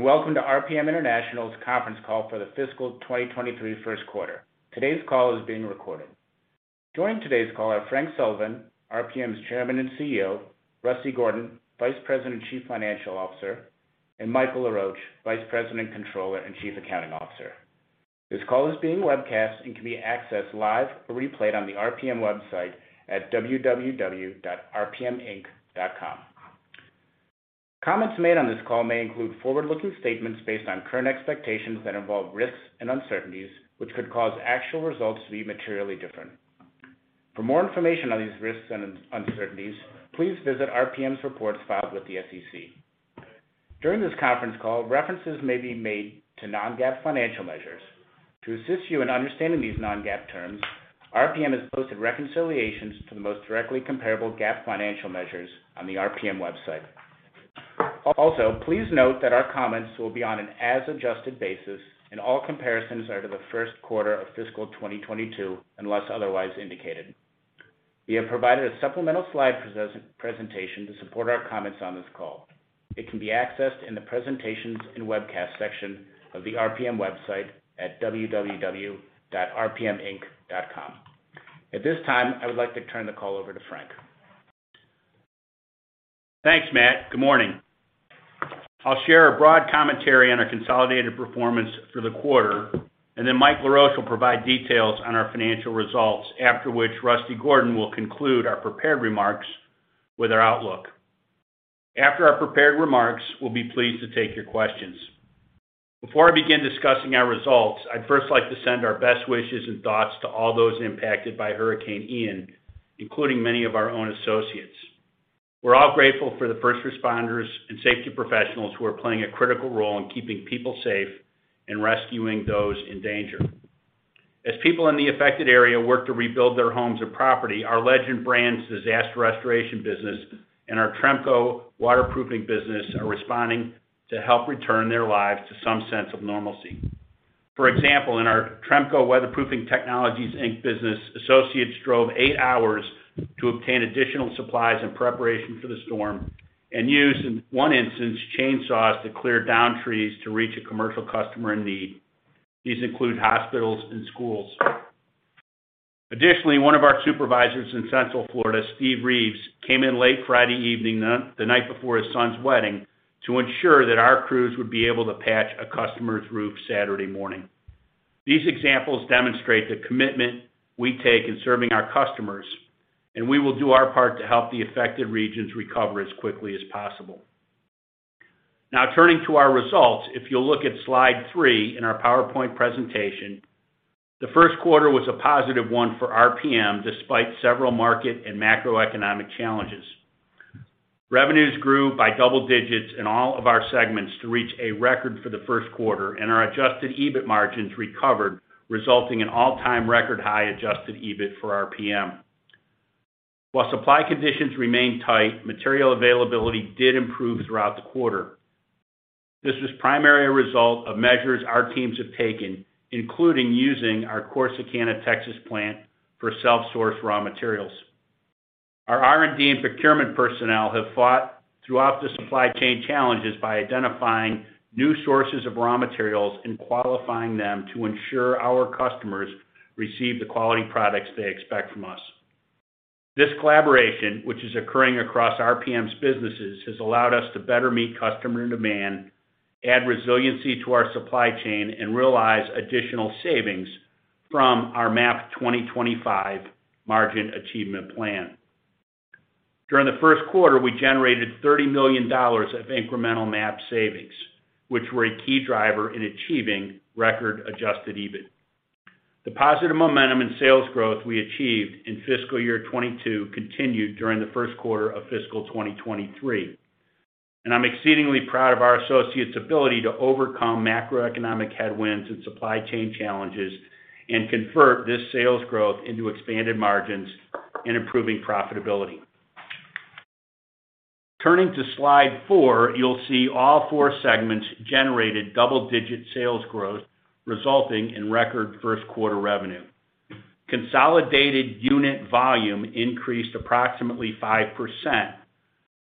Welcome to RPM International's Conference call for the fiscal 2023 first quarter. Today's call is being recorded. Joining today's call are Frank Sullivan, RPM's Chairman and CEO, Russell Gordon, Vice President and Chief Financial Officer, and Michael Laroche, Vice President, Controller, and Chief Accounting Officer. This call is being webcast and can be accessed live or replayed on the RPM website at www.rpminc.com. Comments made on this call may include forward-looking statements based on current expectations that involve risks and uncertainties, which could cause actual results to be materially different. For more information on these risks and uncertainties, please visit RPM's reports filed with the SEC. During this conference call, references may be made to non-GAAP financial measures. To assist you in understanding these non-GAAP terms, RPM has posted reconciliations to the most directly comparable GAAP financial measures on the RPM website. Also, please note that our comments will be on an as adjusted basis and all comparisons are to the first quarter of fiscal 2022, unless otherwise indicated. We have provided a supplemental slide presentation to support our comments on this call. It can be accessed in the Presentations and Webcast section of the RPM website at www.rpminc.com. At this time, I would like to turn the call over to Frank. Thanks, Matt. Good morning. I'll share a broad commentary on our consolidated performance for the quarter, and then Mike Laroche will provide details on our financial results, after which Russell Gordon will conclude our prepared remarks with our outlook. After our prepared remarks, we'll be pleased to take your questions. Before I begin discussing our results, I'd first like to send our best wishes and thoughts to all those impacted by Hurricane Ian, including many of our own associates. We're all grateful for the first responders and safety professionals who are playing a critical role in keeping people safe and rescuing those in danger. As people in the affected area work to rebuild their homes and property, our Legend Brands disaster restoration business and our Tremco waterproofing business are responding to help return their lives to some sense of normalcy. For example, in our Tremco Weatherproofing Technologies, Inc. Business associates drove eight hours to obtain additional supplies in preparation for the storm and used, in one instance, chainsaws to clear downed trees to reach a commercial customer in need. These include hospitals and schools. Additionally, one of our supervisors in Central Florida, Steve Reeves, came in late Friday evening, the night before his son's wedding, to ensure that our crews would be able to patch a customer's roof Saturday morning. These examples demonstrate the commitment we take in serving our customers, and we will do our part to help the affected regions recover as quickly as possible. Now, turning to our results. If you'll look at slide three in our PowerPoint presentation, the first quarter was a positive one for RPM despite several market and macroeconomic challenges. Revenues grew by double digits in all of our segments to reach a record for the first quarter, and our adjusted EBIT margins recovered, resulting in all-time record high adjusted EBIT for RPM. While supply conditions remained tight, material availability did improve throughout the quarter. This was primarily a result of measures our teams have taken, including using our Corsicana, Texas plant for self-sourced raw materials. Our R&D and procurement personnel have fought throughout the supply chain challenges by identifying new sources of raw materials and qualifying them to ensure our customers receive the quality products they expect from us. This collaboration, which is occurring across RPM's businesses, has allowed us to better meet customer demand, add resiliency to our supply chain, and realize additional savings from our MAP 2025 margin achievement plan. During the first quarter, we generated $30 million of incremental MAP savings, which were a key driver in achieving record adjusted EBIT. The positive momentum in sales growth we achieved in fiscal year 2022 continued during the first quarter of fiscal 2023, and I'm exceedingly proud of our associates' ability to overcome macroeconomic headwinds and supply chain challenges and convert this sales growth into expanded margins and improving profitability. Turning to slide four, you'll see all four segments generated double-digit sales growth, resulting in record first quarter revenue. Consolidated unit volume increased approximately 5%,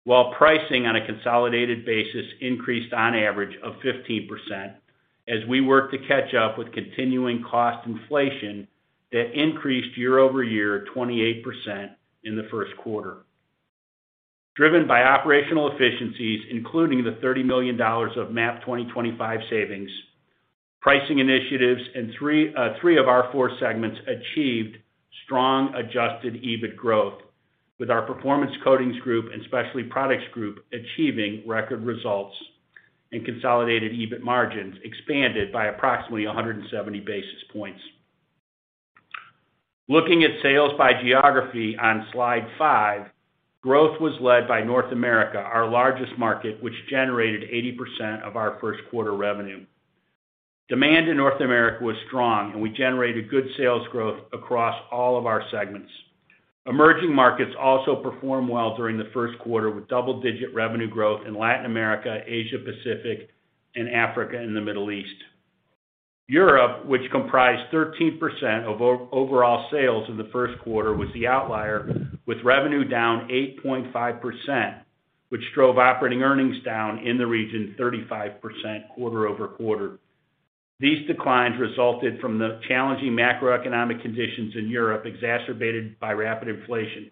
while pricing on a consolidated basis increased on average of 15% as we work to catch up with continuing cost inflation that increased year-over-year 28% in the first quarter. Driven by operational efficiencies, including the $30 million of MAP 2025 savings, pricing initiatives in three of our four segments achieved strong adjusted EBIT growth, with our Performance Coatings Group and Specialty Products Group achieving record results, and consolidated EBIT margins expanded by approximately 170 basis points. Looking at sales by geography on slide five, growth was led by North America, our largest market, which generated 80% of our first quarter revenue. Demand in North America was strong, and we generated good sales growth across all of our segments. Emerging markets also performed well during the first quarter, with double-digit revenue growth in Latin America, Asia Pacific, and Africa and the Middle East. Europe, which comprised 13% of overall sales in the first quarter, was the outlier with revenue down 8.5%, which drove operating earnings down in the region 35% quarter-over-quarter. These declines resulted from the challenging macroeconomic conditions in Europe, exacerbated by rapid inflation.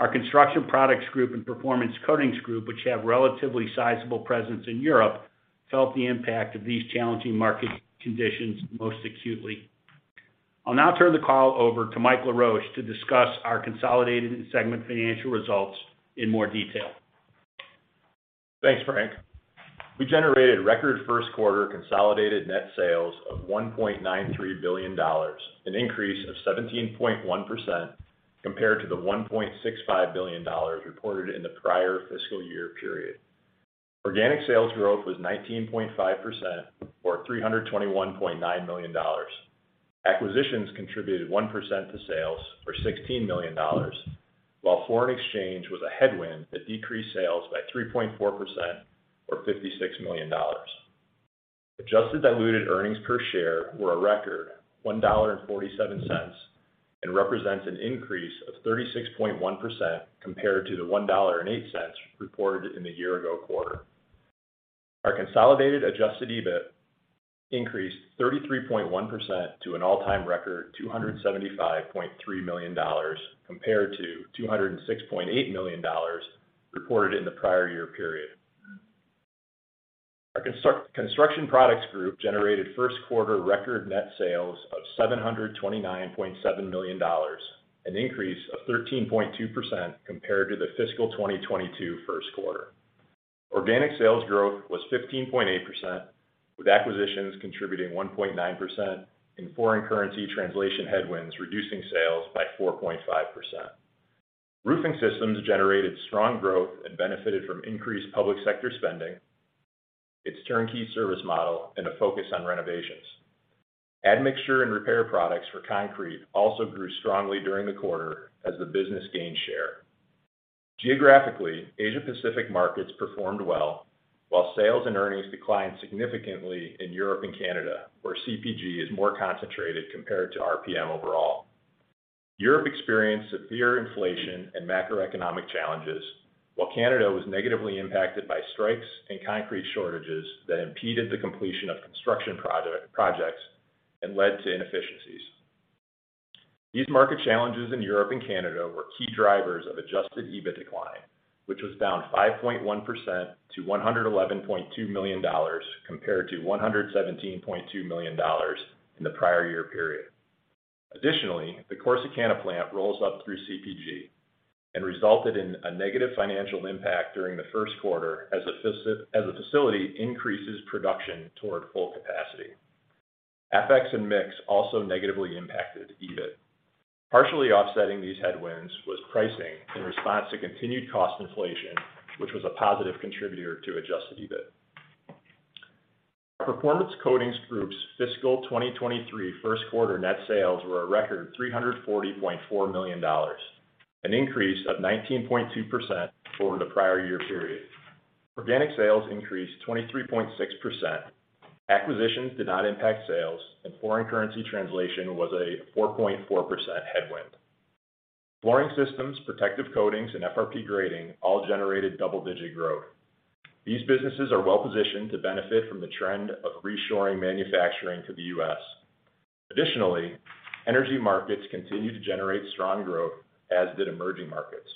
Our Construction Products Group and Performance Coatings Group, which have relatively sizable presence in Europe, felt the impact of these challenging market conditions most acutely. I'll now turn the call over to Mike Laroche to discuss our consolidated and segment financial results in more detail. Thanks, Frank. We generated record first quarter consolidated net sales of $1.93 billion, an increase of 17.1% compared to the $1.65 billion reported in the prior fiscal year period. Organic sales growth was 19.5% or $321.9 million. Acquisitions contributed 1% to sales or $16 million, while foreign exchange was a headwind that decreased sales by 3.4% or $56 million. Adjusted diluted earnings per share were a record $1.47 and represents an increase of 36.1% compared to the $1.08 reported in the year ago quarter. Our consolidated adjusted EBIT increased 33.1% to an all-time record $275.3 million compared to $206.8 million reported in the prior year period. Our Construction Products Group generated first quarter record net sales of $729.7 million, an increase of 13.2% compared to the fiscal 2022 first quarter. Organic sales growth was 15.8%, with acquisitions contributing 1.9%, and foreign currency translation headwinds reducing sales by 4.5%. Roofing systems generated strong growth and benefited from increased public sector spending, its turnkey service model, and a focus on renovations. Admixture and repair products for concrete also grew strongly during the quarter as the business gained share. Geographically, Asia Pacific markets performed well, while sales and earnings declined significantly in Europe and Canada, where CPG is more concentrated compared to RPM overall. Europe experienced severe inflation and macroeconomic challenges while Canada was negatively impacted by strikes and concrete shortages that impeded the completion of construction projects and led to inefficiencies. These market challenges in Europe and Canada were key drivers of adjusted EBIT decline, which was down 5.1% to $111.2 million compared to $117.2 million in the prior year period. Additionally, the Corsicana plant rolls up through CPG and resulted in a negative financial impact during the first quarter as the facility increases production toward full capacity. FX and mix also negatively impacted EBIT. Partially offsetting these headwinds was pricing in response to continued cost inflation, which was a positive contributor to adjusted EBIT. Performance Coatings Group's fiscal 2023 first quarter net sales were a record $340.4 million, an increase of 19.2% over the prior year period. Organic sales increased 23.6%. Acquisitions did not impact sales, and foreign currency translation was a 4.4% headwind. Flooring systems, protective coatings, and FRP grating all generated double-digit growth. These businesses are well-positioned to benefit from the trend of reshoring manufacturing to the U.S. Additionally, energy markets continue to generate strong growth, as did emerging markets.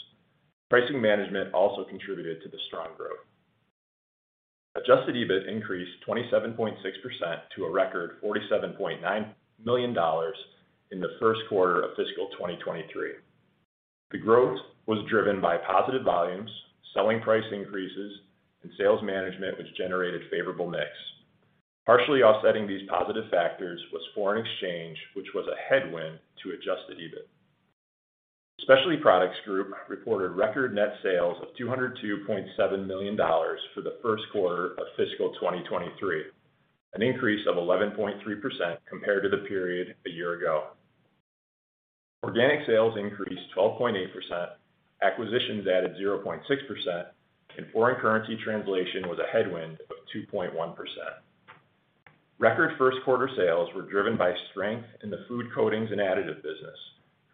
Pricing management also contributed to the strong growth. Adjusted EBIT increased 27.6% to a record $47.9 million in the first quarter of fiscal 2023. The growth was driven by positive volumes, selling price increases, and sales management, which generated favorable mix. Partially offsetting these positive factors was foreign exchange, which was a headwind to adjusted EBIT. Specialty Products Group reported record net sales of $202.7 million for the first quarter of fiscal 2023, an increase of 11.3% compared to the period a year ago. Organic sales increased 12.8%, acquisitions added 0.6%, and foreign currency translation was a headwind of 2.1%. Record first quarter sales were driven by strength in the food coatings and additive business,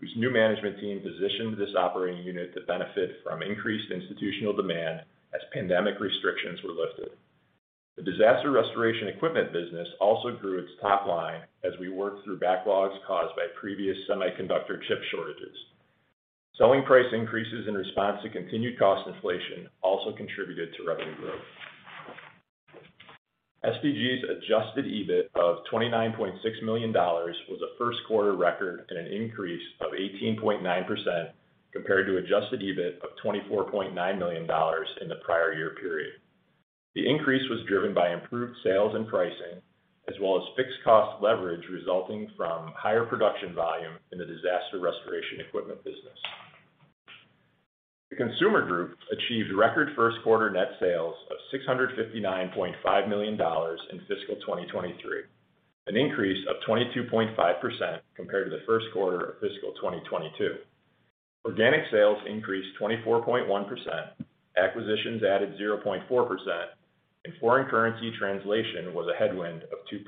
whose new management team positioned this operating unit to benefit from increased institutional demand as pandemic restrictions were lifted. The disaster restoration equipment business also grew its top line as we worked through backlogs caused by previous semiconductor chip shortages. Selling price increases in response to continued cost inflation also contributed to revenue growth. SPG's adjusted EBIT of $29.6 million was a first quarter record and an increase of 18.9% compared to adjusted EBIT of $24.9 million in the prior year period. The increase was driven by improved sales and pricing, as well as fixed cost leverage resulting from higher production volume in the disaster restoration equipment business. The Consumer Group achieved record first quarter net sales of $659.5 million in fiscal 2023, an increase of 22.5% compared to the first quarter of fiscal 2022. Organic sales increased 24.1%, acquisitions added 0.4%, and foreign currency translation was a headwind of 2%.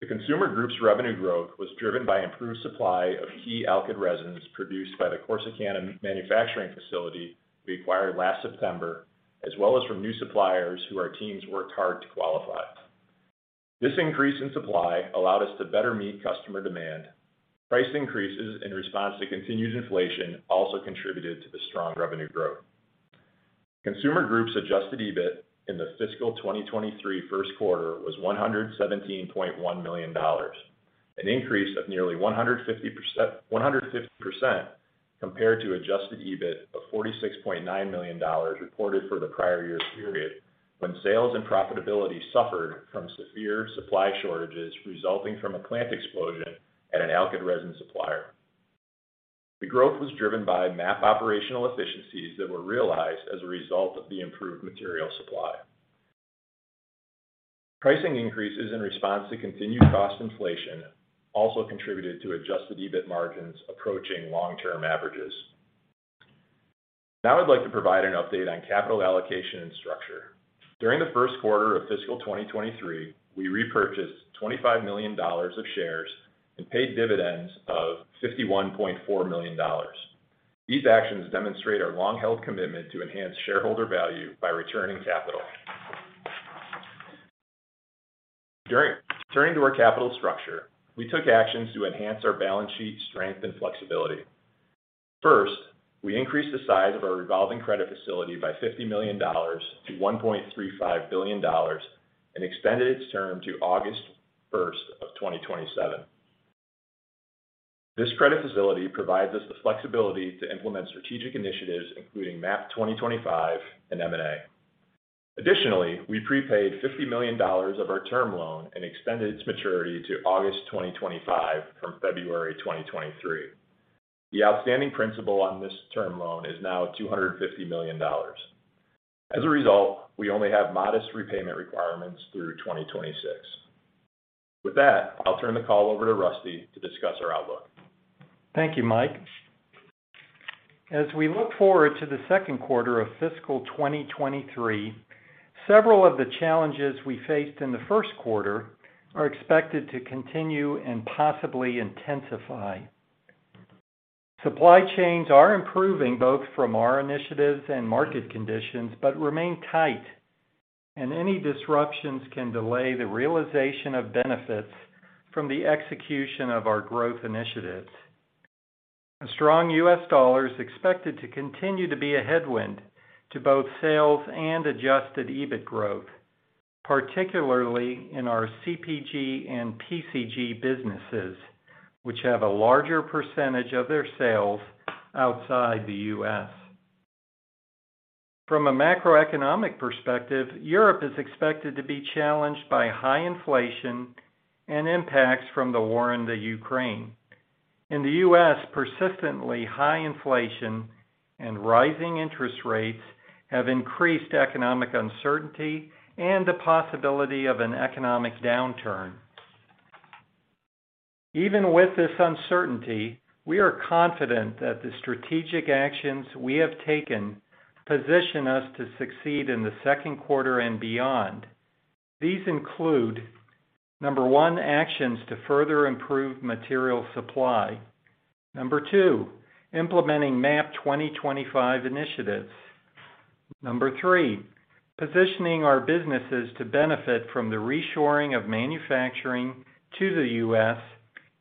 The Consumer Group's revenue growth was driven by improved supply of key alkyd resins produced by the Corsicana manufacturing facility we acquired last September, as well as from new suppliers who our teams worked hard to qualify. This increase in supply allowed us to better meet customer demand. Price increases in response to continued inflation also contributed to the strong revenue growth. Consumer Group's adjusted EBIT in the fiscal 2023 first quarter was $117.1 million, an increase of nearly 150% compared to adjusted EBIT of $46.9 million reported for the prior year's period, when sales and profitability suffered from severe supply shortages resulting from a plant explosion at an alkyd resin supplier. The growth was driven by MAP operational efficiencies that were realized as a result of the improved material supply. Pricing increases in response to continued cost inflation also contributed to adjusted EBIT margins approaching long-term averages. Now I'd like to provide an update on capital allocation and structure. During the first quarter of fiscal 2023, we repurchased $25 million of shares and paid dividends of $51.4 million. These actions demonstrate our long-held commitment to enhance shareholder value by returning capital. Turning to our capital structure, we took actions to enhance our balance sheet strength and flexibility. First, we increased the size of our revolving credit facility by $50 million to $1.35 billion and extended its term to August 1st, 2027. This credit facility provides us the flexibility to implement strategic initiatives, including MAP 2025 and M&A. Additionally, we prepaid $50 million of our term loan and extended its maturity to August 2025 from February 2023. The outstanding principal on this term loan is now $250 million. As a result, we only have modest repayment requirements through 2026. With that, I'll turn the call over to Rusty to discuss our outlook. Thank you, Mike. As we look forward to the second quarter of fiscal 2023, several of the challenges we faced in the first quarter are expected to continue and possibly intensify. Supply chains are improving, both from our initiatives and market conditions, but remain tight, and any disruptions can delay the realization of benefits from the execution of our growth initiatives. A strong U.S. dollar is expected to continue to be a headwind to both sales and adjusted EBIT growth, particularly in our CPG and PCG businesses, which have a larger percentage of their sales outside the U.S. From a macroeconomic perspective, Europe is expected to be challenged by high inflation and impacts from the war in the Ukraine. In the U.S., persistently high inflation and rising interest rates have increased economic uncertainty and the possibility of an economic downturn. Even with this uncertainty, we are confident that the strategic actions we have taken position us to succeed in the second quarter and beyond. These include, number one, actions to further improve material supply. Number two, implementing MAP 2025 initiatives. Number three, positioning our businesses to benefit from the reshoring of manufacturing to the U.S.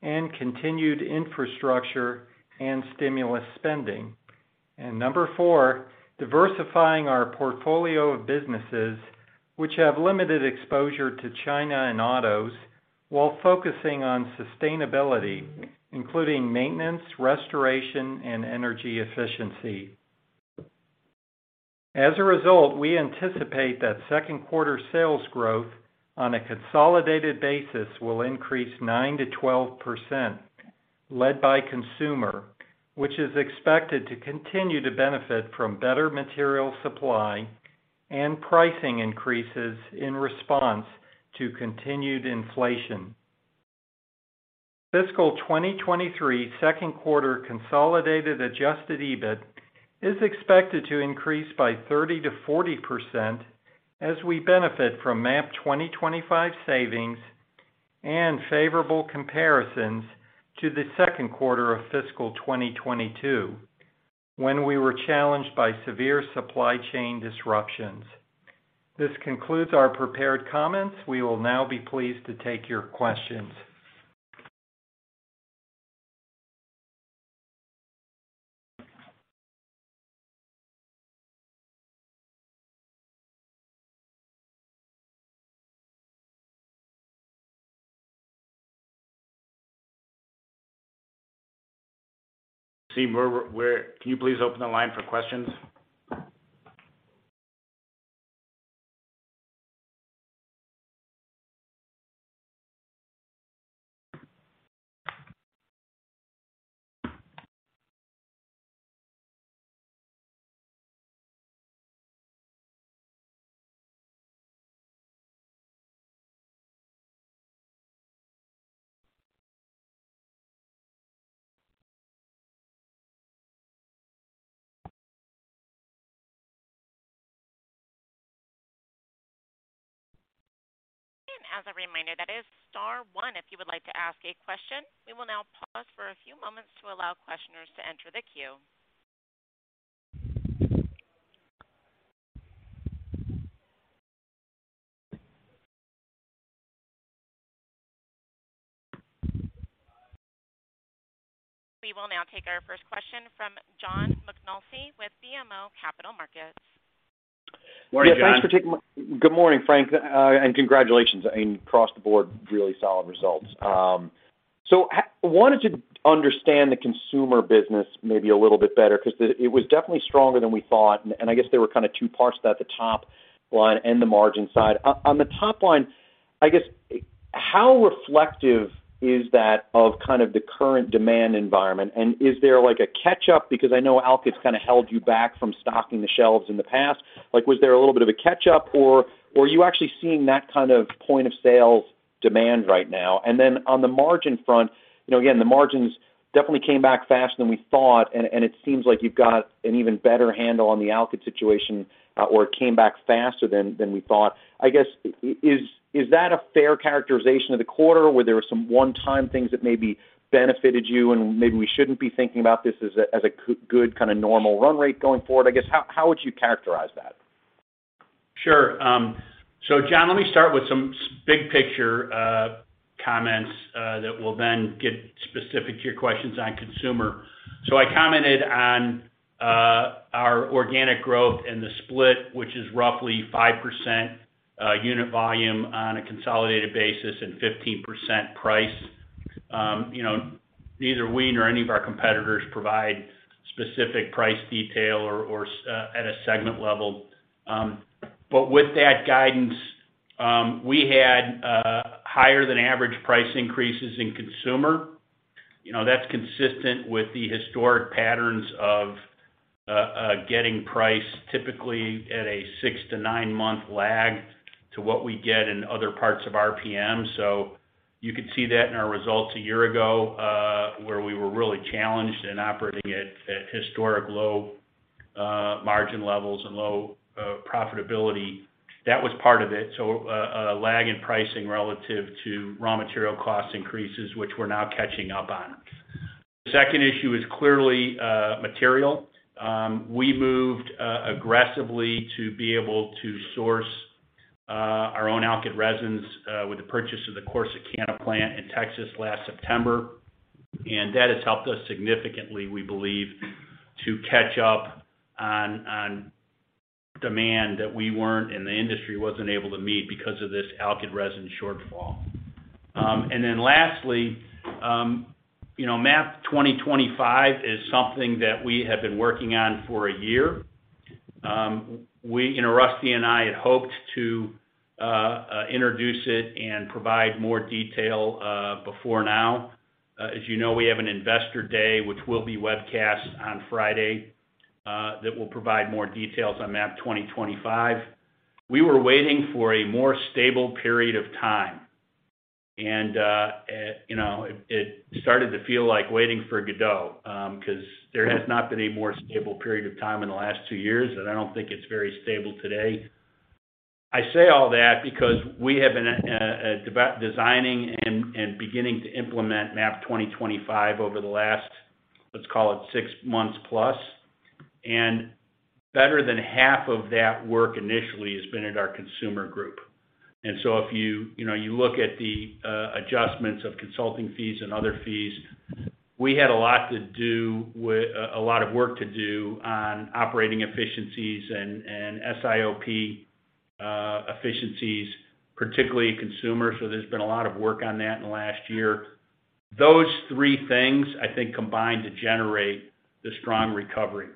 and continued infrastructure and stimulus spending. And number four, diversifying our portfolio of businesses which have limited exposure to China and autos while focusing on sustainability, including maintenance, restoration, and energy efficiency. As a result, we anticipate that second quarter sales growth on a consolidated basis will increase 9%-12%, led by consumer, which is expected to continue to benefit from better material supply and pricing increases in response to continued inflation. Fiscal 2023 second quarter consolidated adjusted EBIT is expected to increase by 30%-40% as we benefit from MAP 2025 savings and favorable comparisons to the second quarter of fiscal 2022, when we were challenged by severe supply chain disruptions. This concludes our prepared comments. We will now be pleased to take your questions. Can you please open the line for questions? As a reminder, that is star one if you would like to ask a question. We will now pause for a few moments to allow questioners to enter the queue. We will now take our first question from John McNulty with BMO Capital Markets. Morning, John. Yeah, thanks for taking my question. Good morning, Frank. Congratulations across the board, really solid results. Wanted to understand the consumer business maybe a little bit better because it was definitely stronger than we thought, and I guess there were kinda two parts to that, the top line and the margin side. On the top line, I guess, how reflective is that of kind of the current demand environment? Is there like a catch-up because I know alkyd's kinda held you back from stocking the shelves in the past? Like, was there a little bit of a catch-up or are you actually seeing that kind of point of sales demand right now? On the margin front, you know, again, the margins definitely came back faster than we thought, and it seems like you've got an even better handle on the alkyd situation, or it came back faster than we thought. I guess, is that a fair characterization of the quarter where there were some one-time things that maybe benefited you and maybe we shouldn't be thinking about this as a good kinda normal run rate going forward? I guess, how would you characterize that? Sure. John, let me start with some big picture comments that will then get specific to your questions on consumer. I commented on our organic growth and the split, which is roughly 5% unit volume on a consolidated basis and 15% price. You know, neither we nor any of our competitors provide specific price detail or at a segment level. But with that guidance, we had higher than average price increases in consumer. You know, that's consistent with the historic patterns of getting price typically at a six to nine month lag to what we get in other parts of RPM. You could see that in our results a year ago, where we were really challenged and operating at historic low margin levels and low profitability. That was part of it. A lag in pricing relative to raw material cost increases, which we're now catching up on. The second issue is clearly, material. We moved aggressively to be able to source our own alkyd resins with the purchase of the Corsicana plant in Texas last September. That has helped us significantly, we believe, to catch up on demand that we weren't and the industry wasn't able to meet because of this alkyd resin shortfall. Lastly, you know, MAP 2025 is something that we have been working on for a year. We, you know, Rusty and I had hoped to introduce it and provide more detail before now. As you know, we have an Investor Day, which will be webcast on Friday, that will provide more details on MAP 2025. We were waiting for a more stable period of time. You know, it started to feel like waiting for Godot, 'cause there has not been a more stable period of time in the last two years, and I don't think it's very stable today. I say all that because we have been designing and beginning to implement MAP 2025 over the last, let's call it six months plus. Better than half of that work initially has been at our Consumer Group. If you know, you look at the adjustments of consulting fees and other fees, we had a lot of work to do on operating efficiencies and SIOP efficiencies, particularly Consumer. There's been a lot of work on that in the last year. Those three things, I think, combined to generate the strong recovery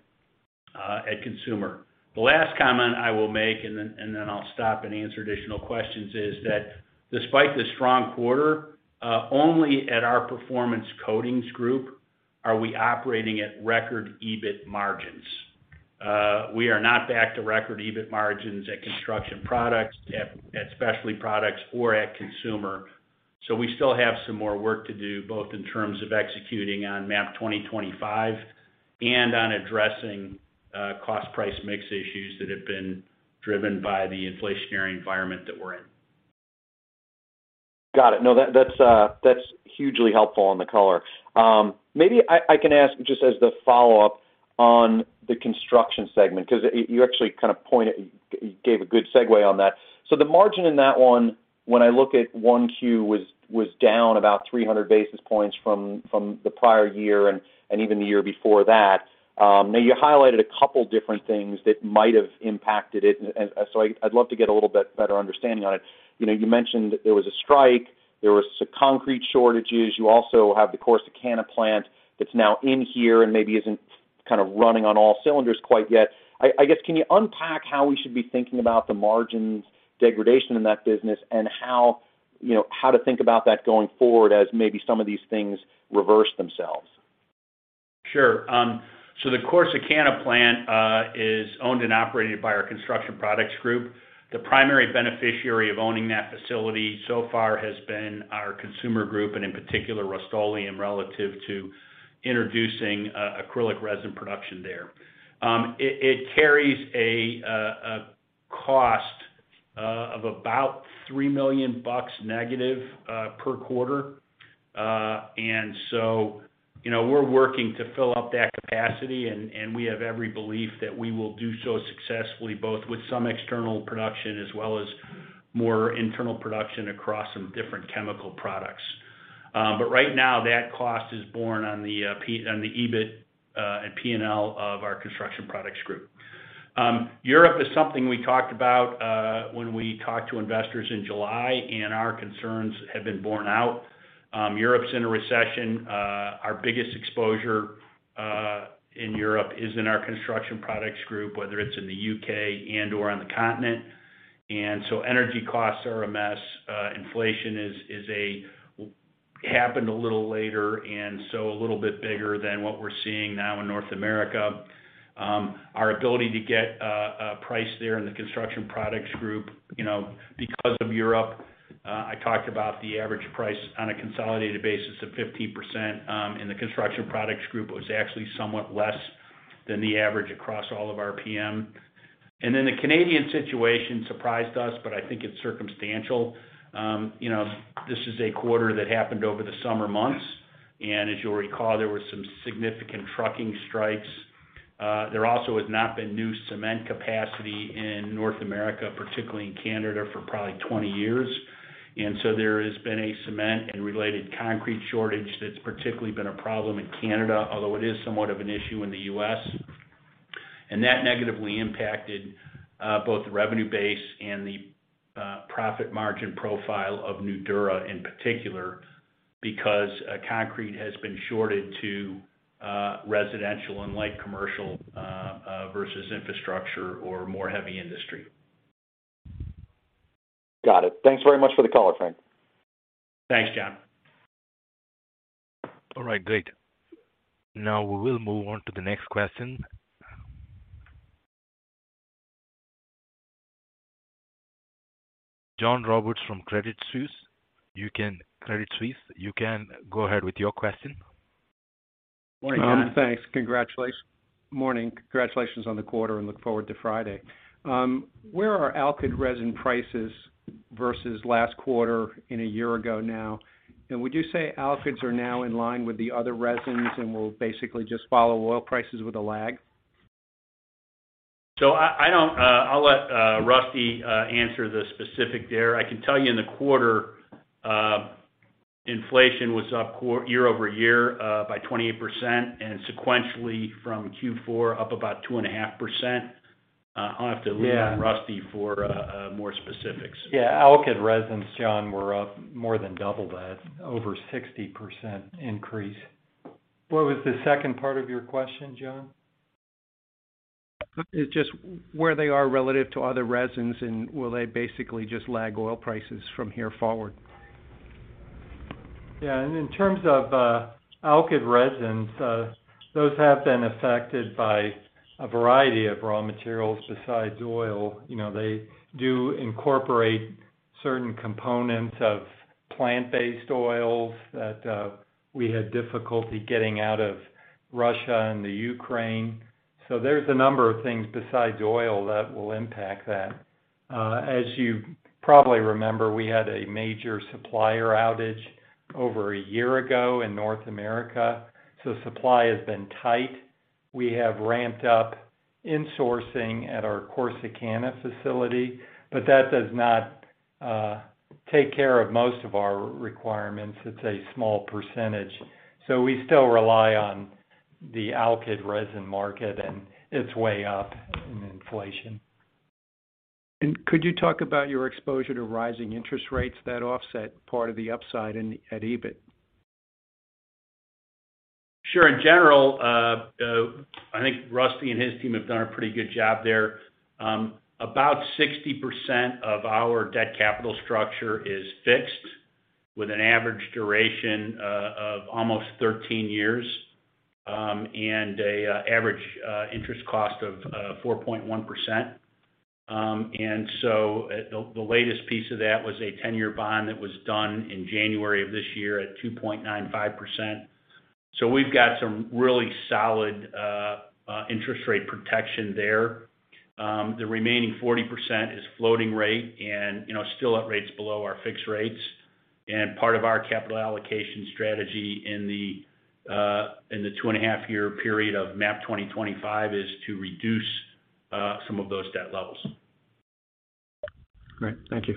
at Consumer. The last comment I will make, and then I'll stop and answer additional questions, is that despite the strong quarter, only at our Performance Coatings Group are we operating at record EBIT margins. We are not back to record EBIT margins at Construction Products Group, at Specialty Products Group or at Consumer Group. We still have some more work to do, both in terms of executing on MAP 2025 and on addressing cost price mix issues that have been driven by the inflationary environment that we're in. Got it. No, that's hugely helpful on the color. Maybe I can ask just as the follow-up on the construction segment, 'cause you actually kind of pointed, gave a good segue on that. The margin in that one, when I look at 1Q was down about 300 basis points from the prior year and even the year before that. Now you highlighted a couple different things that might have impacted it. I would love to get a little bit better understanding on it. You know, you mentioned there was a strike, there was concrete shortages. You also have the Corsicana plant that's now in here and maybe isn't kind of running on all cylinders quite yet. I guess, can you unpack how we should be thinking about the margins degradation in that business and how, you know, how to think about that going forward as maybe some of these things reverse themselves? Sure. The Corsicana plant is owned and operated by our Construction Products Group. The primary beneficiary of owning that facility so far has been our Consumer Group, and in particular, Rust-Oleum, relative to introducing acrylic resin production there. It carries a cost of about $3 million negative per quarter. You know, we're working to fill up that capacity, and we have every belief that we will do so successfully, both with some external production as well as more internal production across some different chemical products. Right now, that cost is borne on the EBIT and P&L of our Construction Products Group. Europe is something we talked about when we talked to investors in July, and our concerns have been borne out. Europe's in a recession. Our biggest exposure in Europe is in our Construction Products Group, whether it's in the U.K. and/or on the continent. Energy costs are a mess. Inflation happened a little later, and so a little bit bigger than what we're seeing now in North America. Our ability to get a price there in the Construction Products Group, you know, because of Europe, I talked about the average price on a consolidated basis of 15%, in the Construction Products Group was actually somewhat less than the average across all of RPM. The Canadian situation surprised us, but I think it's circumstantial. You know, this is a quarter that happened over the summer months, and as you'll recall, there were some significant trucking strikes. There also has not been new cement capacity in North America, particularly in Canada, for probably 20 years. There has been a cement and related concrete shortage that's particularly been a problem in Canada, although it is somewhat of an issue in the U.S. That negatively impacted both the revenue base and the profit margin profile of Nudura in particular, because concrete has been shorted to residential and light commercial versus infrastructure or more heavy industry. Got it. Thanks very much for the color, Frank. Thanks, John. All right. Great. Now we will move on to the next question. John Roberts from Credit Suisse. Credit Suisse, you can go ahead with your question. Morning, John. Thanks. Congratulations. Morning. Congratulations on the quarter, and look forward to Friday. Where are alkyd resin prices versus last quarter and a year ago now? And would you say alkyds are now in line with the other resins and will basically just follow oil prices with a lag? I don't. I'll let Rusty answer the specific there. I can tell you in the quarter, inflation was up year-over-year by 28%, and sequentially from Q4 up about 2.5%. On Rusty for more specifics. Yeah. Alkyd resins, John, were up more than double that, over 60% increase. What was the second part of your question, John? It's just where they are relative to other resins, and will they basically just lag oil prices from here forward? Yeah. In terms of alkyd resins, those have been affected by a variety of raw materials besides oil. You know, they do incorporate certain components of plant-based oils that we had difficulty getting out of Russia and the Ukraine. So there's a number of things besides oil that will impact that. As you probably remember, we had a major supplier outage over a year ago in North America, so supply has been tight. We have ramped up insourcing at our Corsicana facility, but that does not take care of most of our requirements. It's a small percentage. So we still rely on the alkyd resin market, and it's way up in inflation. Could you talk about your exposure to rising interest rates that offset part of the upside in at EBIT? Sure. In general, I think Rusty and his team have done a pretty good job there. About 60% of our debt capital structure is fixed, with an average duration of almost 13 years, and an average interest cost of 4.1%. The latest piece of that was a 10-year bond that was done in January of this year at 2.95%. We've got some really solid interest rate protection there. The remaining 40% is floating rate and, you know, still at rates below our fixed rates. Part of our capital allocation strategy in the 2.5-year period of MAP 2025 is to reduce some of those debt levels. Great. Thank you.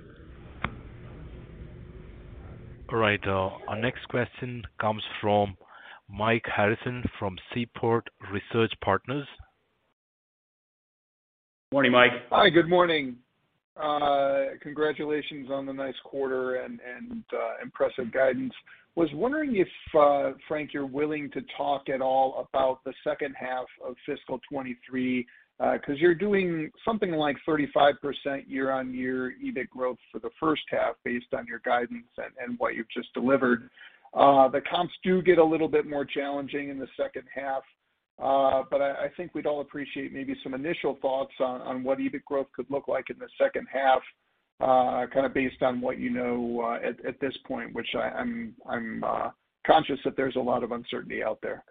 All right. Our next question comes from Michael Harrison from Seaport Research Partners. Morning, Mike. Hi. Good morning. Congratulations on the nice quarter and impressive guidance. Was wondering if, Frank, you're willing to talk at all about the second half of fiscal 2023, 'cause you're doing something like 35% year-on-year EBIT growth for the first half based on your guidance and what you've just delivered. The comps do get a little bit more challenging in the second half. I think we'd all appreciate maybe some initial thoughts on what EBIT growth could look like in the second half, kind of based on what you know at this point, which I'm conscious that there's a lot of uncertainty out there.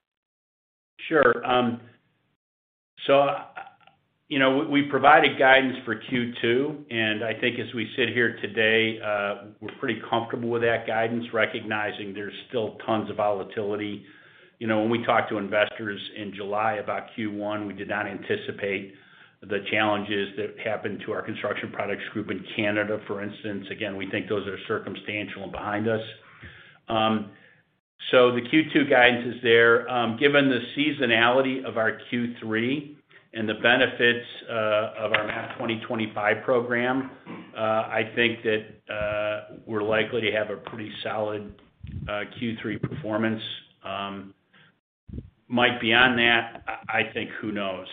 Sure. You know, we provided guidance for Q2, and I think as we sit here today, we're pretty comfortable with that guidance, recognizing there's still tons of volatility. You know, when we talked to investors in July about Q1, we did not anticipate the challenges that happened to our Construction Products Group in Canada, for instance. Again, we think those are circumstantial and behind us. The Q2 guidance is there. Given the seasonality of our Q3 and the benefits of our MAP 2025 program, I think that we're likely to have a pretty solid Q3 performance. Mike, beyond that, I think who knows?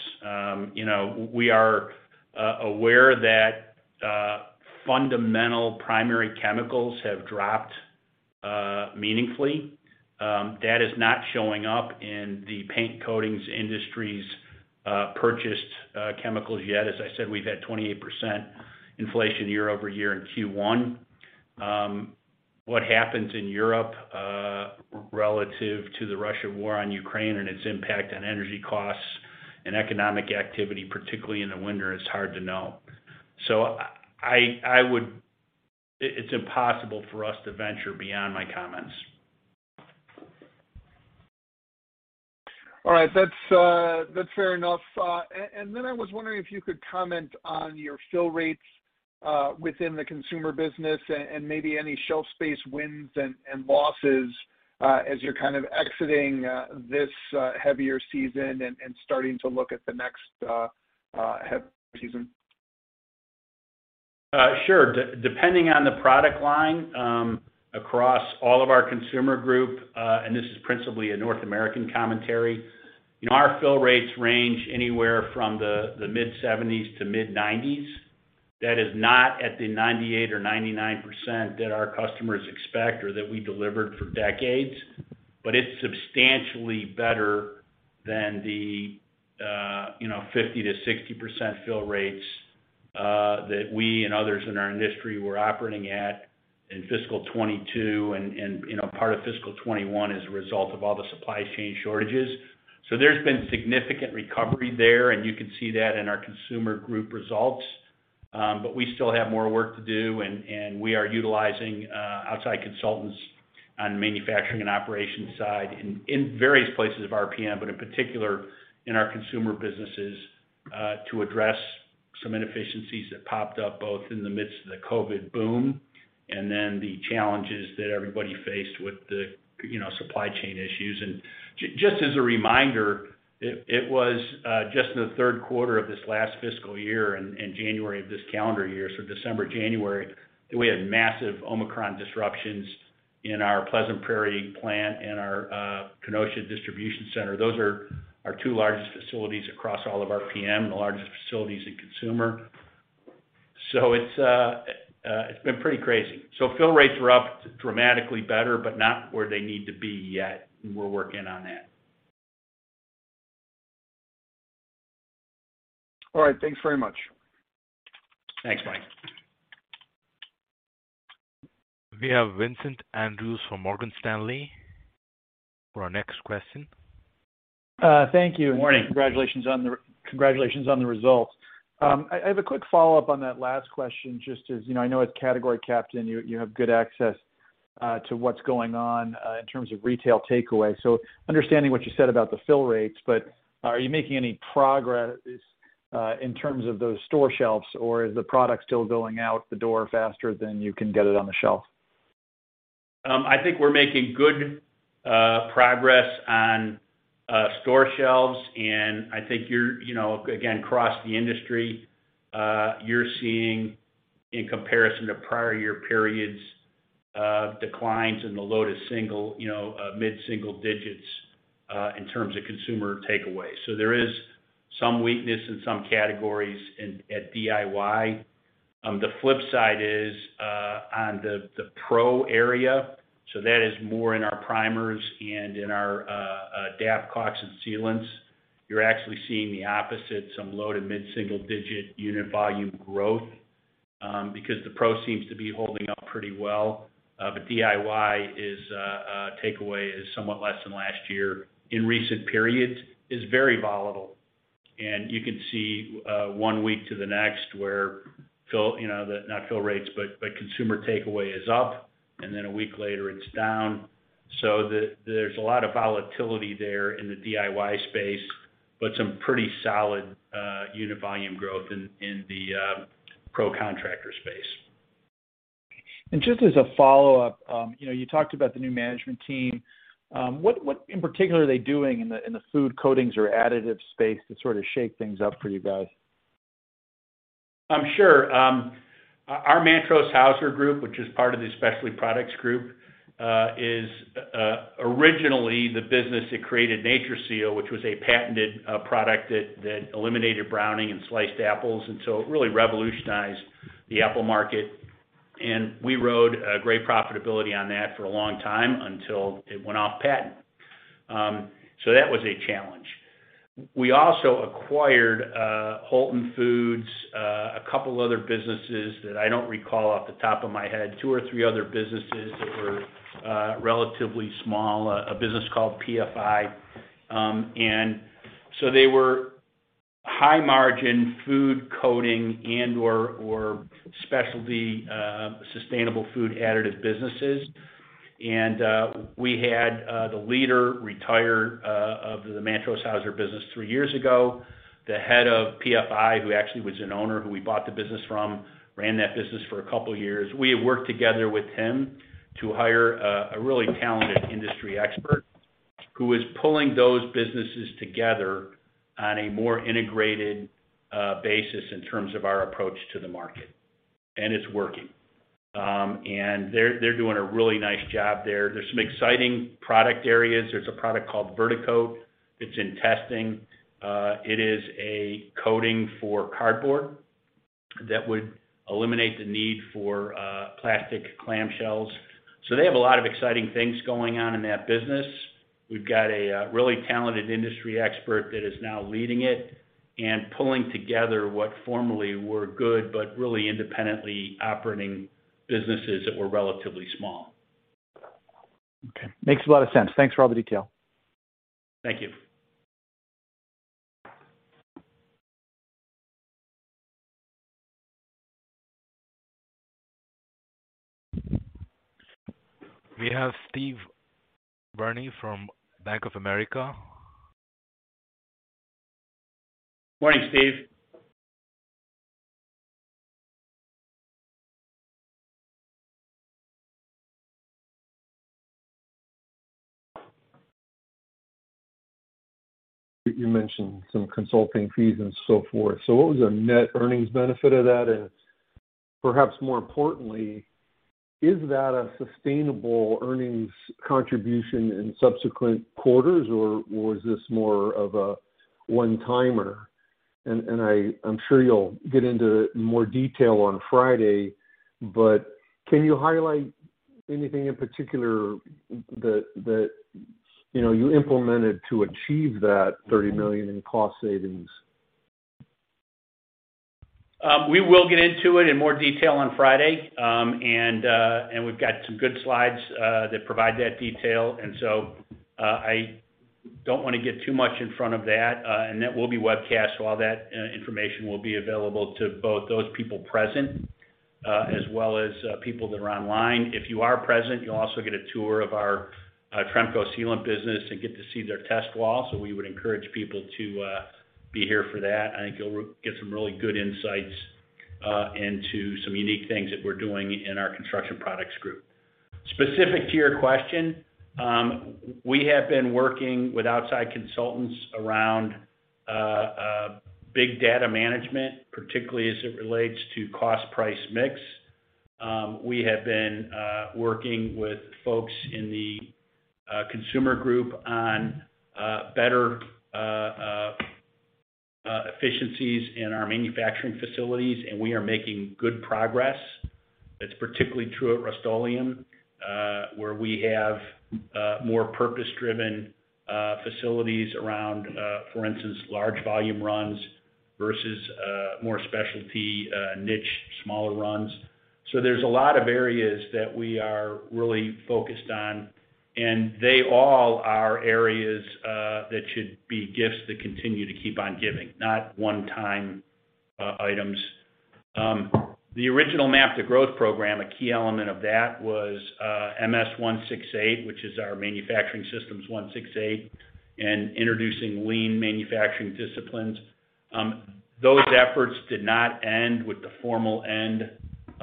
You know, we are aware that fundamental primary chemicals have dropped meaningfully. That is not showing up in the paint and coatings industry's purchased chemicals yet. As I said, we've had 28% inflation year-over-year in Q1. What happens in Europe, relative to the Russia war on Ukraine and its impact on energy costs and economic activity, particularly in the winter, is hard to know. It's impossible for us to venture beyond my comments. All right. That's fair enough. I was wondering if you could comment on your fill rates within the consumer business and maybe any shelf space wins and losses as you're kind of exiting this heavier season and starting to look at the next heavy season. Sure. Depending on the product line, across all of our Consumer Group, and this is principally a North American commentary, our fill rates range anywhere from the mid-70s to mid-90s. That is not at the 98% or 99% that our customers expect or that we delivered for decades. It's substantially better than the you know, 50%-60% fill rates that we and others in our industry were operating at in fiscal 2022 and you know, part of fiscal 2021 as a result of all the supply chain shortages. There's been significant recovery there, and you can see that in our Consumer Group results. We still have more work to do, and we are utilizing outside consultants on manufacturing and operation side in various places of RPM, but in particular in our consumer businesses, to address some inefficiencies that popped up both in the midst of the COVID boom and then the challenges that everybody faced with the, you know, supply chain issues. Just as a reminder, it was just in the third quarter of this last fiscal year and January of this calendar year, so December, January, that we had massive Omicron disruptions in our Pleasant Prairie plant and our Kenosha distribution center. Those are our two largest facilities across all of RPM, the largest facilities in consumer. It's been pretty crazy. Fill rates are up dramatically better, but not where they need to be yet, and we're working on that. All right. Thanks very much. Thanks, Mike. We have Vincent Andrews from Morgan Stanley for our next question. Thank you. Morning. Congratulations on the results. I have a quick follow-up on that last question. Just as, you know, I know as category captain, you have good access to what's going on in terms of retail takeaway. Understanding what you said about the fill rates, but are you making any progress in terms of those store shelves? Or is the product still going out the door faster than you can get it on the shelf? I think we're making good progress on store shelves, and I think you're, you know, again, across the industry, you're seeing, in comparison to prior year periods, declines in the low- to mid-single digits in terms of consumer takeaway. There is some weakness in some categories at DIY. The flip side is on the pro area, so that is more in our primers and in our DAP caulk and sealants, you're actually seeing the opposite, some low- to mid-single-digit unit volume growth because the pro seems to be holding up pretty well. DIY takeaway is somewhat less than last year. In recent periods, it's very volatile. You can see one week to the next, you know, not fill rates, but consumer takeaway is up, and then a week later it's down. There's a lot of volatility there in the DIY space, but some pretty solid unit volume growth in the pro contractor space. Just as a follow-up, you know, you talked about the new management team. What in particular are they doing in the food coatings or additives space to sort of shake things up for you guys? Sure. Our Mantrose-Haeuser Group, which is part of the Specialty Products Group, is originally the business that created NatureSeal, which was a patented product that eliminated browning in sliced apples, and so it really revolutionized the apple market. We rode a great profitability on that for a long time until it went off patent. That was a challenge. We also acquired Holton Food Products, a couple other businesses that I don't recall off the top of my head, two or three other businesses that were relatively small, a business called PFI. They were high margin food coating and/or specialty sustainable food additive businesses. We had the leader retire of the Mantrose-Haeuser business three years ago. The head of PFI, who actually was an owner, who we bought the business from, ran that business for a couple years. We have worked together with him to hire a really talented industry expert who is pulling those businesses together on a more integrated basis in terms of our approach to the market, and it's working. They're doing a really nice job there. There's some exciting product areas. There's a product called VertiKote that's in testing. It is a coating for cardboard that would eliminate the need for plastic clamshells. They have a lot of exciting things going on in that business. We've got a really talented industry expert that is now leading it and pulling together what formerly were good, but really independently operating businesses that were relatively small. Okay. Makes a lot of sense. Thanks for all the detail. Thank you. We have Steve Byrne from Bank of America. Morning, Steve. You mentioned some consulting fees and so forth. What was the net earnings benefit of that? Perhaps more importantly, is that a sustainable earnings contribution in subsequent quarters, or was this more of a one-timer? I'm sure you'll get into more detail on Friday, but can you highlight anything in particular that you know, you implemented to achieve that $30 million in cost savings? We will get into it in more detail on Friday. We've got some good slides that provide that detail. I don't wanna get too much in front of that. That will be webcast, so all that information will be available to both those people present as well as people that are online. If you are present, you'll also get a tour of our Tremco sealant business and get to see their test wall. We would encourage people to be here for that. I think you'll get some really good insights into some unique things that we're doing in our Construction Products Group. Specific to your question, we have been working with outside consultants around big data management, particularly as it relates to cost price mix. We have been working with folks in the Consumer Group on better efficiencies in our manufacturing facilities, and we are making good progress. That's particularly true at Rust-Oleum, where we have more purpose-driven facilities around, for instance, large volume runs versus more specialty niche smaller runs. There's a lot of areas that we are really focused on, and they all are areas that should be gifts that continue to keep on giving, not one-time items. The original MAP to Growth program, a key element of that was MS-168, which is our manufacturing systems MS-168, and introducing lean manufacturing disciplines. Those efforts did not end with the formal end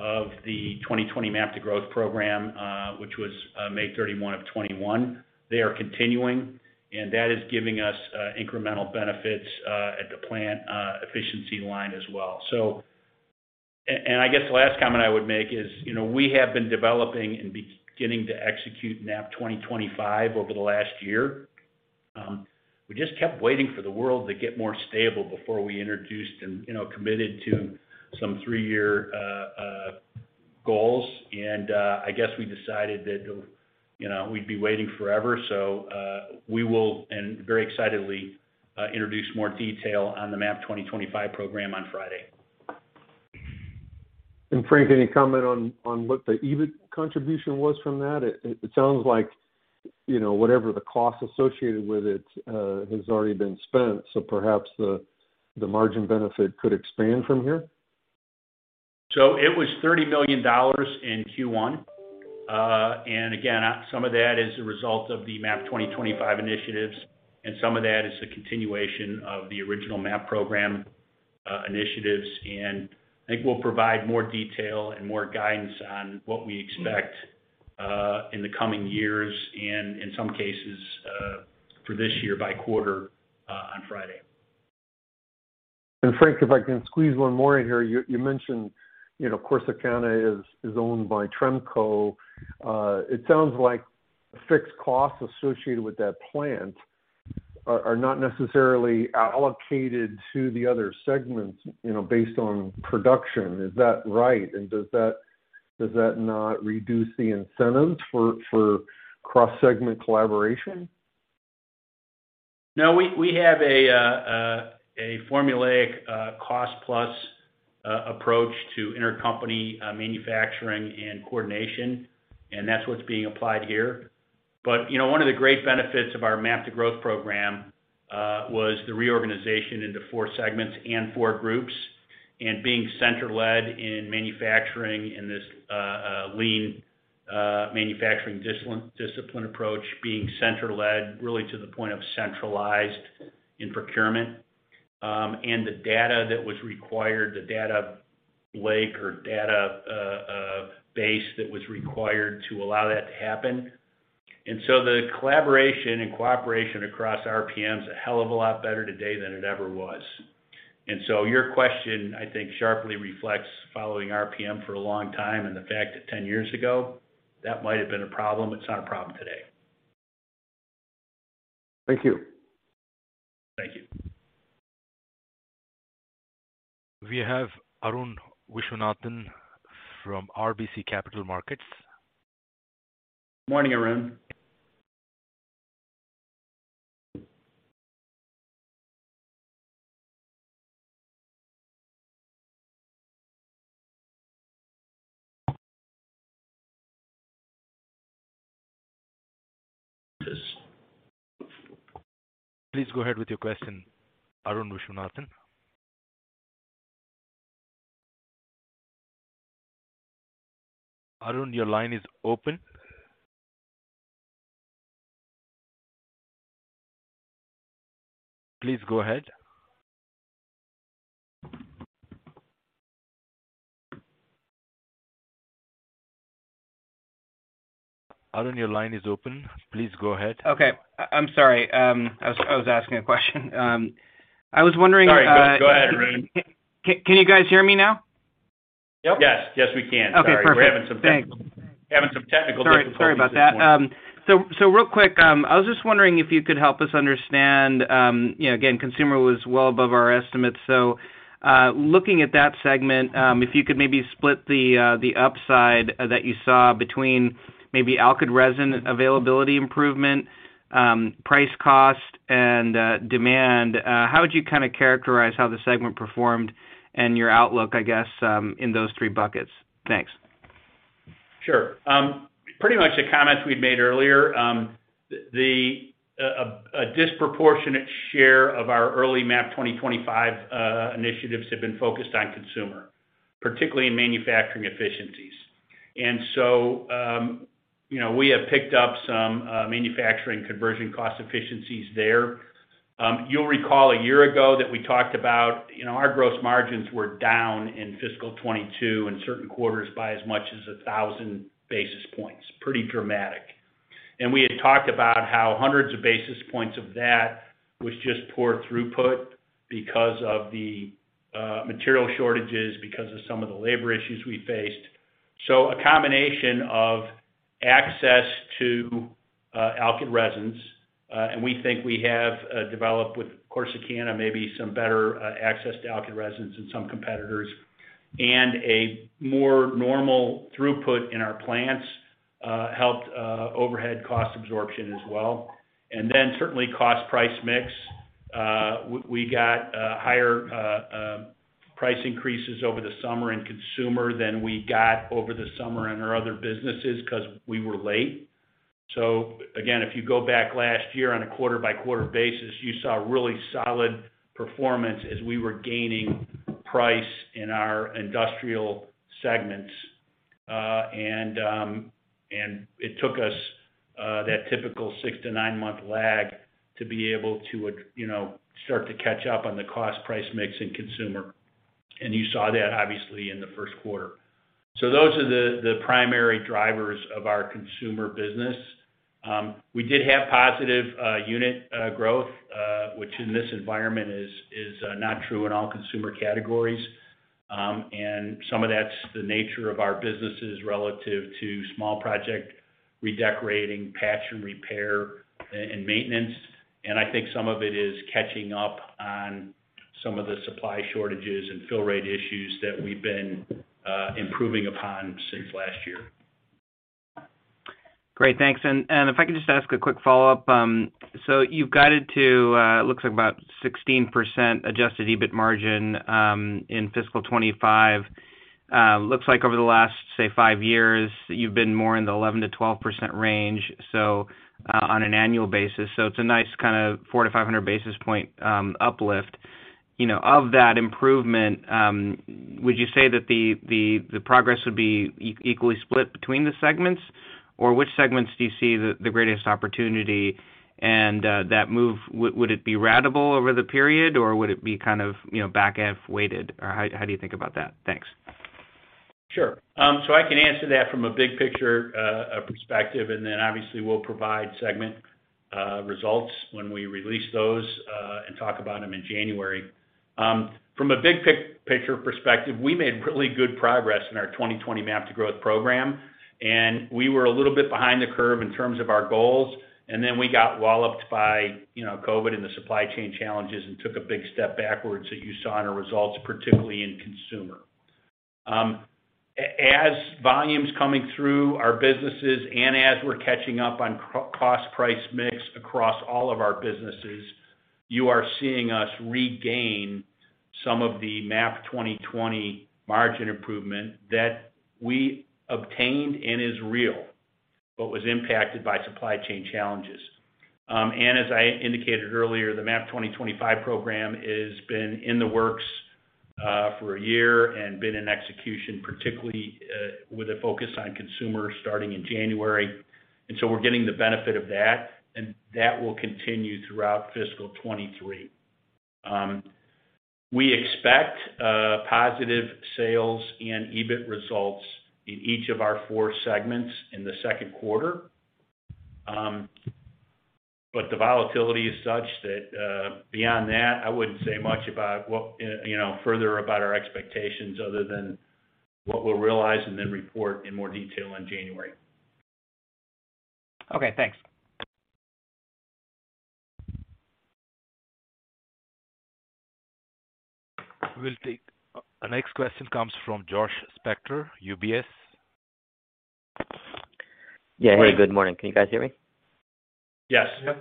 of the 2020 MAP to Growth program, which was May 31, 2021. They are continuing, and that is giving us incremental benefits at the plant efficiency line as well. I guess the last comment I would make is, you know, we have been developing and beginning to execute MAP 2025 over the last year. We just kept waiting for the world to get more stable before we introduced and, you know, committed to some three-year goals. I guess we decided that, you know, we'd be waiting forever. We will, and very excitedly, introduce more detail on the MAP 2025 program on Friday. Frank, any comment on what the EBIT contribution was from that? It sounds like, you know, whatever the cost associated with it has already been spent, so perhaps the margin benefit could expand from here. It was $30 million in Q1. Again, some of that is a result of the MAP 2025 initiatives, and some of that is the continuation of the original MAP program initiatives. I think we'll provide more detail and more guidance on what we expect in the coming years and in some cases for this year by quarter on Friday. Frank, if I can squeeze one more in here. You mentioned, you know, Corsicana is owned by Tremco. It sounds like fixed costs associated with that plant are not necessarily allocated to the other segments, you know, based on production. Is that right? Does that not reduce the incentives for cross-segment collaboration? No, we have a formulaic cost-plus approach to intercompany manufacturing and coordination, and that's what's being applied here. You know, one of the great benefits of our MAP to Growth program was the reorganization into four segments and four groups, and being center-led in manufacturing in this lean manufacturing discipline approach being center-led really to the point of centralized in procurement, and the data that was required, the data lake or data base that was required to allow that to happen. The collaboration and cooperation across RPM is a hell of a lot better today than it ever was. Your question, I think, sharply reflects following RPM for a long time and the fact that ten years ago, that might have been a problem. It's not a problem today. Thank you. Thank you. We have Arun Viswanathan from RBC Capital Markets. Morning, Arun. Please go ahead with your question, Arun Viswanathan. Arun, your line is open. Please go ahead. Okay. I'm sorry. I was asking a question. I was wondering. Sorry. Go ahead, Arun. Can you guys hear me now? Yep. Yes. Yes, we can. Okay, perfect. Sorry. We're having some technical. Thanks. Having some technical difficulties this morning. Sorry about that. Real quick, I was just wondering if you could help us understand, you know, again, consumer was well above our estimates. Looking at that segment, if you could maybe split the upside that you saw between maybe alkyd resin availability improvement, price cost and demand. How would you kind of characterize how the segment performed and your outlook, I guess, in those three buckets? Thanks. Sure. Pretty much the comments we've made earlier. A disproportionate share of our early MAP 2025 initiatives have been focused on consumer, particularly in manufacturing efficiencies. You know, we have picked up some manufacturing conversion cost efficiencies there. You'll recall a year ago that we talked about, you know, our gross margins were down in fiscal 2022 in certain quarters by as much as 1,000 basis points, pretty dramatic. We had talked about how hundreds of basis points of that was just poor throughput because of the material shortages, because of some of the labor issues we faced. A combination of access to alkyd resins, and we think we have developed with Corsicana, maybe some better access to alkyd resins than some competitors. A more normal throughput in our plants helped overhead cost absorption as well. Certainly cost price mix. We got higher price increases over the summer in consumer than we got over the summer in our other businesses because we were late. Again, if you go back last year on a quarter by quarter basis, you saw really solid performance as we were gaining price in our industrial segments. It took us that typical six- to nine-month lag to be able to, you know, start to catch up on the cost price mix in consumer. You saw that obviously in the first quarter. Those are the primary drivers of our consumer business. We did have positive unit growth, which in this environment is not true in all consumer categories. Some of that's the nature of our businesses relative to small project redecorating, patch and repair, and maintenance. I think some of it is catching up on some of the supply shortages and fill rate issues that we've been improving upon since last year. Great. Thanks. If I could just ask a quick follow-up. You've guided to, it looks like about 16% adjusted EBIT margin, in fiscal 2025. Looks like over the last, say, five years, you've been more in the 11%-12% range, so on an annual basis. It's a nice kind of 400-500 basis points uplift. You know, of that improvement, would you say that the progress would be equally split between the segments? Or which segments do you see the greatest opportunity? That move, would it be ratable over the period, or would it be kind of, you know, back half-weighted? Or how do you think about that? Thanks. Sure. I can answer that from a big picture perspective, and then obviously we'll provide segment results when we release those and talk about them in January. From a big picture perspective, we made really good progress in our 2020 MAP to Growth program, and we were a little bit behind the curve in terms of our goals. We got walloped by, you know, COVID and the supply chain challenges and took a big step backwards that you saw in our results, particularly in Consumer. As volumes coming through our businesses and as we're catching up on price/cost mix across all of our businesses, you are seeing us regain some of the 2020 MAP to Growth margin improvement that we obtained and is real, but was impacted by supply chain challenges. As I indicated earlier, the MAP 2025 program has been in the works for a year and been in execution, particularly, with a focus on consumer starting in January. We're getting the benefit of that, and that will continue throughout fiscal 2023. We expect positive sales and EBIT results in each of our four segments in the second quarter. The volatility is such that, beyond that, I wouldn't say much about what, you know, further about our expectations other than what we'll realize and then report in more detail in January. Okay, thanks. Next question comes from Josh Spector, UBS. Yeah. Hey, good morning. Can you guys hear me? Yes. Yeah.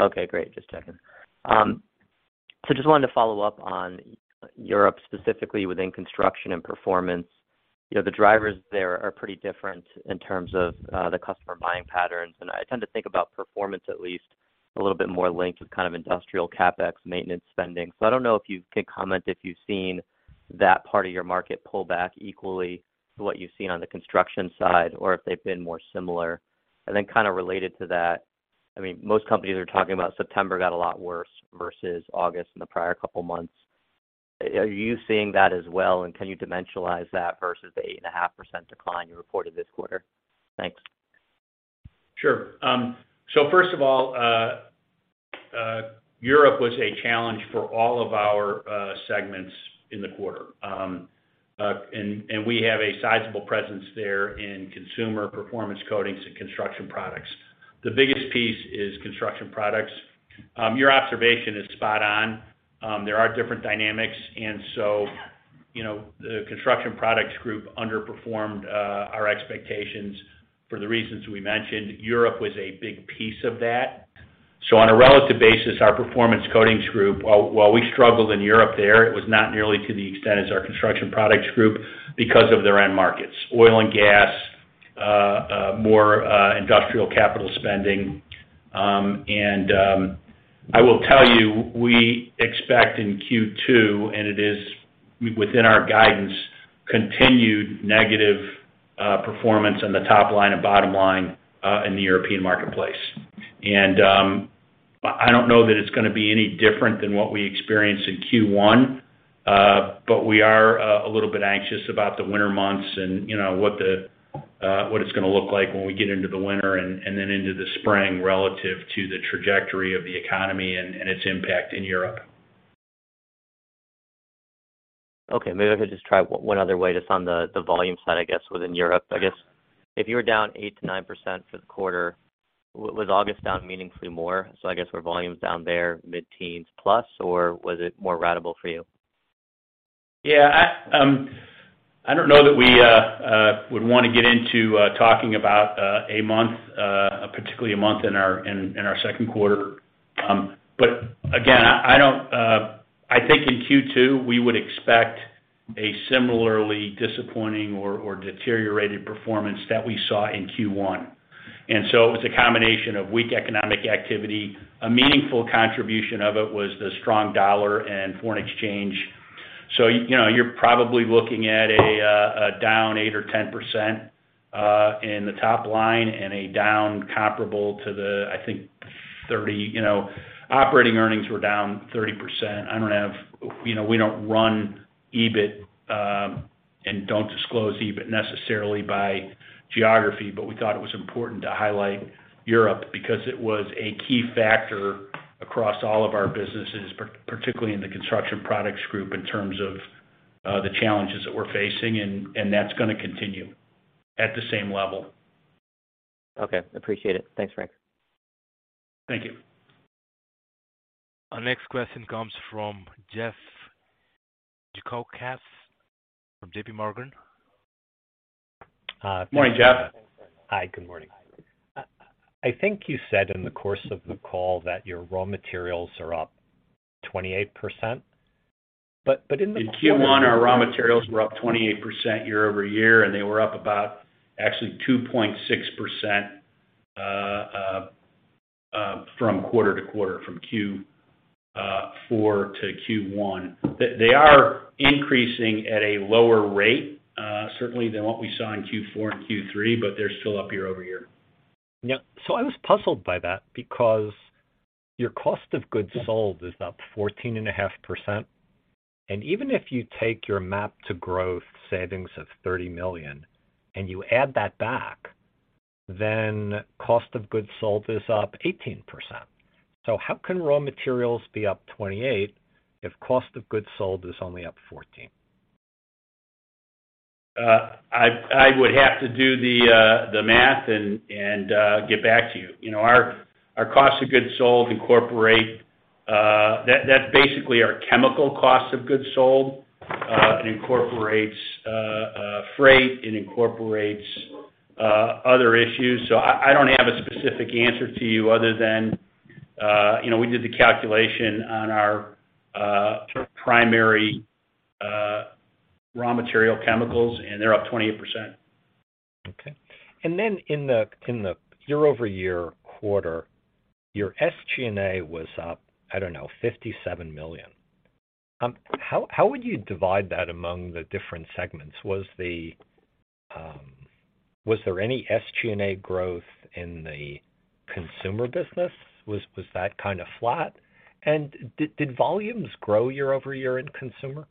Okay, great. Just checking. Just wanted to follow up on Europe, specifically within construction and performance. You know, the drivers there are pretty different in terms of the customer buying patterns. I tend to think about performance at least a little bit more linked with kind of industrial CapEx maintenance spending. I don't know if you could comment if you've seen that part of your market pull back equally to what you've seen on the construction side or if they've been more similar. Kind of related to that, I mean, most companies are talking about September got a lot worse versus August and the prior couple of months. Are you seeing that as well? Can you dimensionalize that versus the 8.5% decline you reported this quarter? Thanks. Sure. First of all, Europe was a challenge for all of our segments in the quarter. We have a sizable presence there in Consumer, Performance Coatings, and Construction Products. The biggest piece is Construction Products. Your observation is spot on. There are different dynamics. You know, the Construction Products Group underperformed our expectations for the reasons we mentioned. Europe was a big piece of that. On a relative basis, our Performance Coatings Group, while we struggled in Europe there, it was not nearly to the extent as our Construction Products Group because of their end markets, oil and gas, more industrial capital spending. I will tell you, we expect in Q2, and it is within our guidance, continued negative performance on the top line and bottom line in the European marketplace. I don't know that it's gonna be any different than what we experienced in Q1, but we are a little bit anxious about the winter months and, you know, what it's gonna look like when we get into the winter and then into the spring, relative to the trajectory of the economy and its impact in Europe. Okay. Maybe if I could just try one other way, just on the volume side, I guess, within Europe. I guess if you were down 8%-9% for the quarter, was August down meaningfully more? I guess, were volumes down there mid-10+, or was it more ratable for you? Yeah. I don't know that we would wanna get into talking about a month, particularly a month in our second quarter. But again, I think in Q2, we would expect a similarly disappointing or deteriorated performance that we saw in Q1. It was a combination of weak economic activity. A meaningful contribution of it was the strong dollar and foreign exchange. You know, you're probably looking at a down 8%-10% in the top line and a down comparable to the, I think, 30, you know. Operating earnings were down 30%. I don't have, you know, we don't run EBIT and don't disclose EBIT necessarily by geography, but we thought it was important to highlight Europe because it was a key factor across all of our businesses, particularly in the Construction Products Group in terms of the challenges that we're facing, and that's gonna continue at the same level. Okay, appreciate it. Thanks, Frank. Thank you. Our next question comes from Jeff Zekauskas from J.P. Morgan. Good morning, Jeff. Hi, good morning. I think you said in the course of the call that your raw materials are up 28%. In the- In Q1, our raw materials were up 28% year-over-year, and they were up about actually 2.6%, quarter-over-quarter, from Q4 to Q1. They are increasing at a lower rate, certainly than what we saw in Q4 and Q3, but they're still up year-over-year. Yeah. I was puzzled by that because your cost of goods sold is up 14.5%. Even if you take your MAP to Growth savings of $30 million, and you add that back, then cost of goods sold is up 18%. How can raw materials be up 28% if cost of goods sold is only up 14%? I would have to do the math and get back to you. You know, our cost of goods sold incorporate that's basically our chemical cost of goods sold. It incorporates freight, it incorporates other issues. I don't have a specific answer to you other than you know, we did the calculation on our sort of primary raw material chemicals, and they're up 28%. Okay. In the year-over-year quarter, your SG&A was up, I don't know, $57 million. How would you divide that among the different segments? Was there any SG&A growth in the consumer business? Was that kind of flat? Did volumes grow year-over-year in consumer?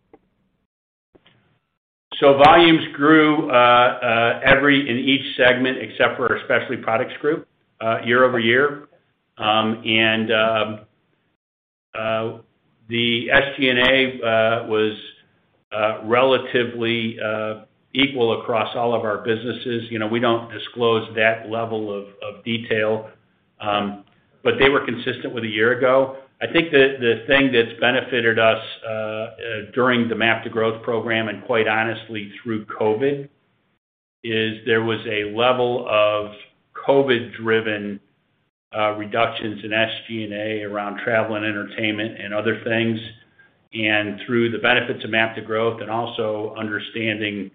Volumes grew in each segment except for our Specialty Products Group year over year. The SG&A was relatively equal across all of our businesses. You know, we don't disclose that level of detail, but they were consistent with a year ago. I think the thing that's benefited us during the MAP to Growth program and quite honestly through COVID is there was a level of COVID-driven reductions in SG&A around travel and entertainment and other things. Through the benefits of MAP to Growth and also understanding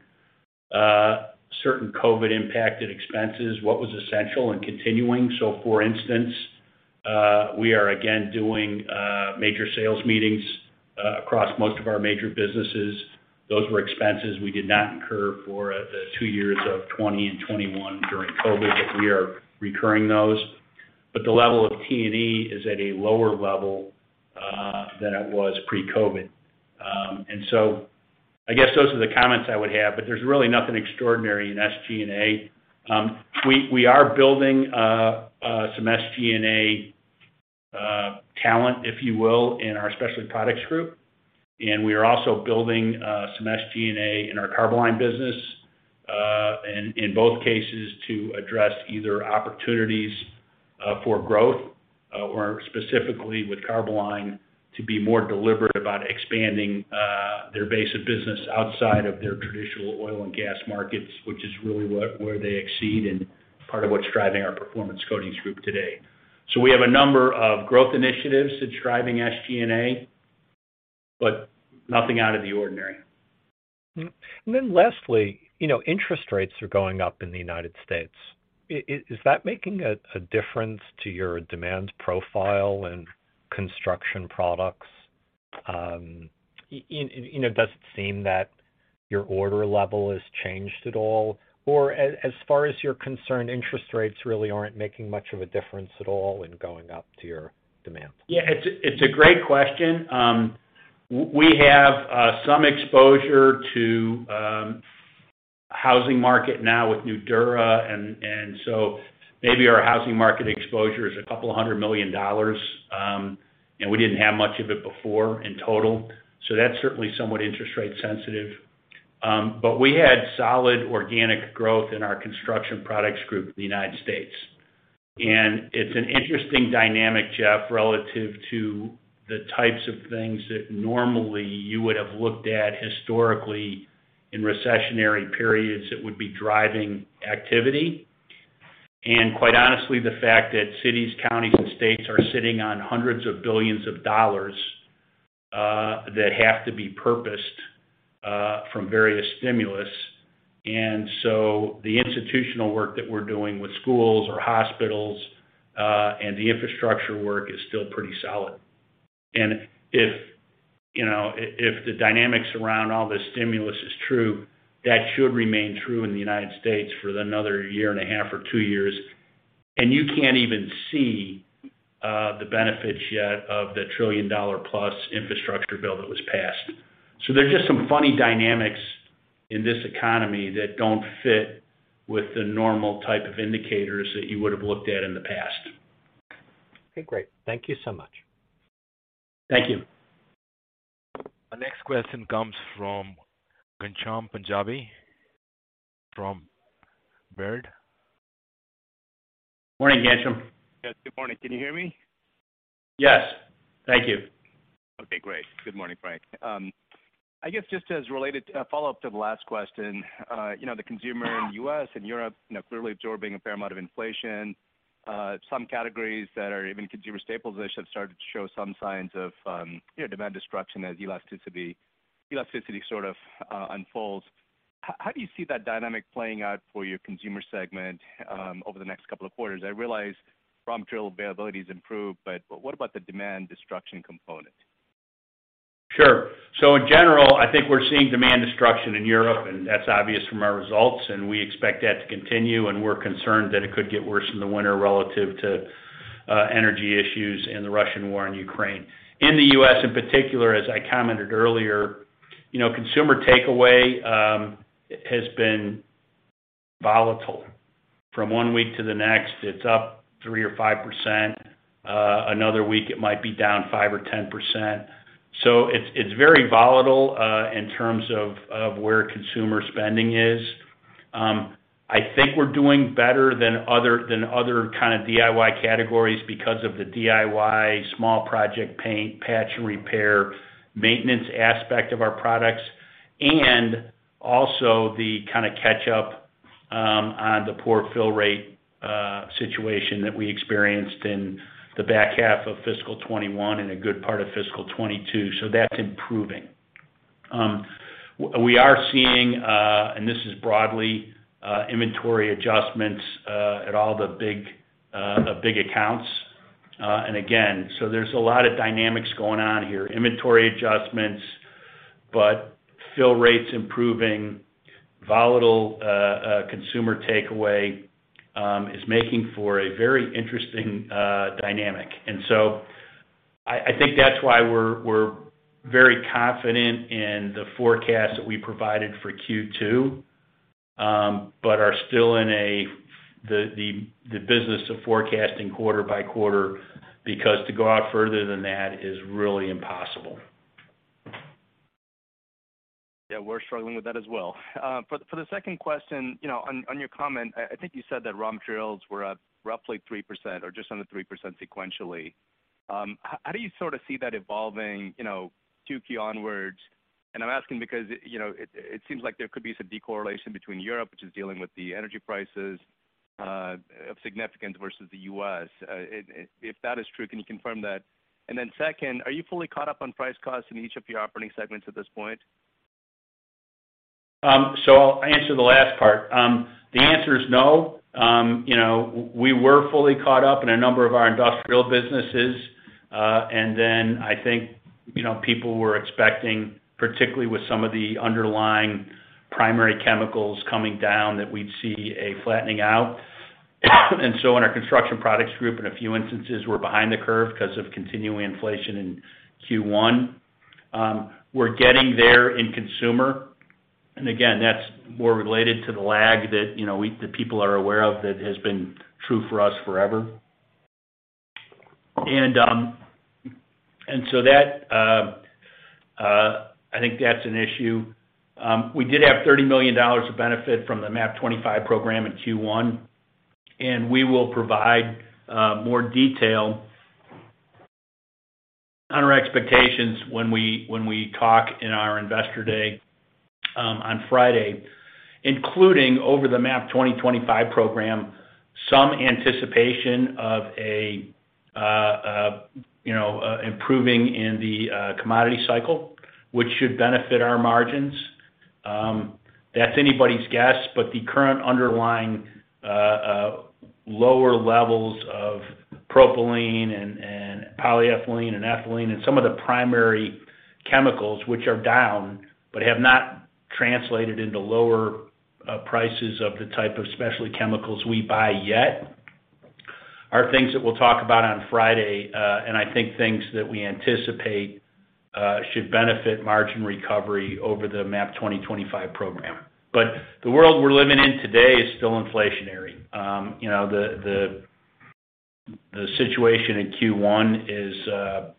certain COVID-impacted expenses, what was essential and continuing. For instance, we are again doing major sales meetings across most of our major businesses. Those were expenses we did not incur for the two years of 2020 and 2021 during COVID, but we are recurring those. The level of T&E is at a lower level than it was pre-COVID. I guess those are the comments I would have, but there's really nothing extraordinary in SG&A. We are building some SG&A talent, if you will, in our Specialty Products Group. We are also building some SG&A in our Carboline business, and in both cases to address either opportunities for growth or specifically with Carboline to be more deliberate about expanding their base of business outside of their traditional oil and gas markets, which is really what they excel and part of what's driving our Performance Coatings Group today. We have a number of growth initiatives that's driving SG&A, but nothing out of the ordinary. Lastly, you know, interest rates are going up in the United States. Is that making a difference to your demand profile and construction products? You know, does it seem that your order level has changed at all? As far as you're concerned, interest rates really aren't making much of a difference at all in going up to your demand? Yeah, it's a great question. We have some exposure to housing market now with Nudura and so maybe our housing market exposure is $200 million. We didn't have much of it before in total. So that's certainly somewhat interest rate sensitive. We had solid organic growth in our Construction Products Group in the United States. It's an interesting dynamic, Jeff, relative to the types of things that normally you would have looked at historically in recessionary periods that would be driving activity. Quite honestly, the fact that cities, counties, and states are sitting on hundreds of billions of dollars that have to be purposed from various stimulus. The institutional work that we're doing with schools or hospitals and the infrastructure work is still pretty solid. If, you know, if the dynamics around all this stimulus is true, that should remain true in the United States for another year and a half or two years. You can't even see the benefits yet of the trillion-dollar-plus infrastructure bill that was passed. There's just some funny dynamics in this economy that don't fit with the normal type of indicators that you would have looked at in the past. Okay, great. Thank you so much. Thank you. Our next question comes from Ghansham Panjabi from Baird. Morning, Ghansham. Yes, good morning. Can you hear me? Yes. Thank you. Okay, great. Good morning, Frank. I guess just as related, follow-up to the last question. You know, the consumer in U.S. and Europe, you know, clearly absorbing a fair amount of inflation. Some categories that are even consumer staples, they should start to show some signs of, you know, demand destruction as elasticity sort of unfolds. How do you see that dynamic playing out for your consumer segment, over the next couple of quarters? I realize raw material availability has improved, but what about the demand destruction component? Sure. In general, I think we're seeing demand destruction in Europe, and that's obvious from our results, and we expect that to continue, and we're concerned that it could get worse in the winter relative to energy issues and the Russian war in Ukraine. In the U.S. in particular, as I commented earlier, you know, consumer takeaway has been volatile. From one week to the next, it's up 3% or 5%. Another week it might be down 5% or 10%. It's very volatile in terms of where consumer spending is. I think we're doing better than other kind of DIY categories because of the DIY small project paint, patch and repair, maintenance aspect of our products, and also the kind of catch up on the poor fill rate situation that we experienced in the back half of fiscal 2021 and a good part of fiscal 2022. That's improving. We are seeing, and this is broadly, inventory adjustments at all the big accounts. And again, there's a lot of dynamics going on here. Inventory adjustments, but fill rates improving, volatile consumer takeaway is making for a very interesting dynamic. I think that's why we're very confident in the forecast that we provided for Q2, but are still in the business of forecasting quarter by quarter, because to go out further than that is really impossible. Yeah, we're struggling with that as well. For the second question, you know, on your comment, I think you said that raw materials were up roughly 3% or just under 3% sequentially. How do you sort of see that evolving, you know, 2Q onwards? And I'm asking because, you know, it seems like there could be some decorrelation between Europe, which is dealing with the energy prices of significance versus the U.S. If that is true, can you confirm that? And then second, are you fully caught up on price costs in each of your operating segments at this point? I'll answer the last part. The answer is no. You know, we were fully caught up in a number of our industrial businesses, and then I think, you know, people were expecting, particularly with some of the underlying primary chemicals coming down, that we'd see a flattening out. In our Construction Products Group, in a few instances, we're behind the curve 'cause of continuing inflation in Q1. We're getting there in Consumer Group. Again, that's more related to the lag that, you know, the people are aware of that has been true for us forever. That, I think that's an issue. We did have $30 million of benefit from the MAP 2025 program in Q1, and we will provide more detail on our expectations when we talk in our investor day on Friday, including over the MAP 2025 program, some anticipation of a you know improving in the commodity cycle, which should benefit our margins. That's anybody's guess, but the current underlying lower levels of propylene and polyethylene and ethylene and some of the primary chemicals which are down, but have not translated into lower prices of the type of specialty chemicals we buy yet, are things that we'll talk about on Friday, and I think things that we anticipate should benefit margin recovery over the MAP 2025 program. The world we're living in today is still inflationary. You know, the situation in Q1 is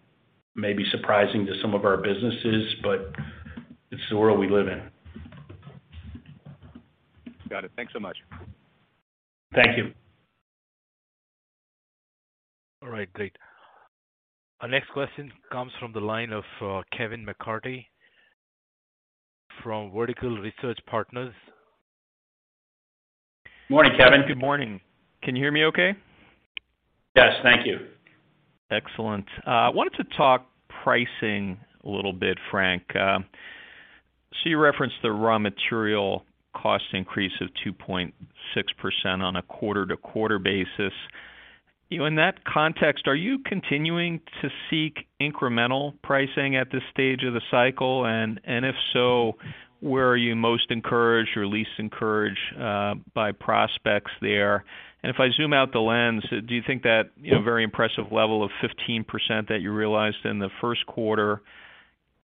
maybe surprising to some of our businesses, but it's the world we live in. Got it. Thanks so much. Thank you. All right. Great. Our next question comes from the line of Kevin McCarthy from Vertical Research Partners. Morning, Kevin. Good morning. Can you hear me okay? Yes. Thank you. Excellent. I wanted to talk pricing a little bit, Frank. So you referenced the raw material cost increase of 2.6% on a quarter-to-quarter basis. You know, in that context, are you continuing to seek incremental pricing at this stage of the cycle? And if so, where are you most encouraged or least encouraged by prospects there? And if I zoom out the lens, do you think that, you know, very impressive level of 15% that you realized in the first quarter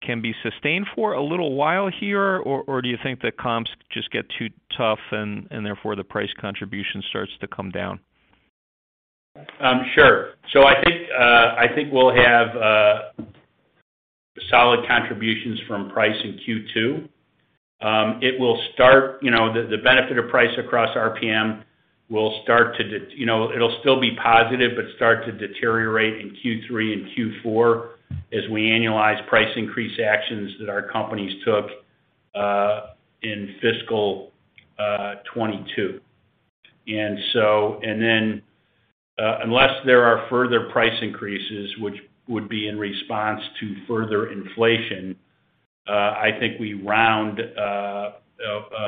can be sustained for a little while here, or do you think the comps just get too tough and therefore the price contribution starts to come down? Sure. I think we'll have solid contributions from price in Q2. You know, the benefit of price across RPM, it'll still be positive, but start to deteriorate in Q3 and Q4 as we annualize price increase actions that our companies took in fiscal 2022. Unless there are further price increases, which would be in response to further inflation, I think we round out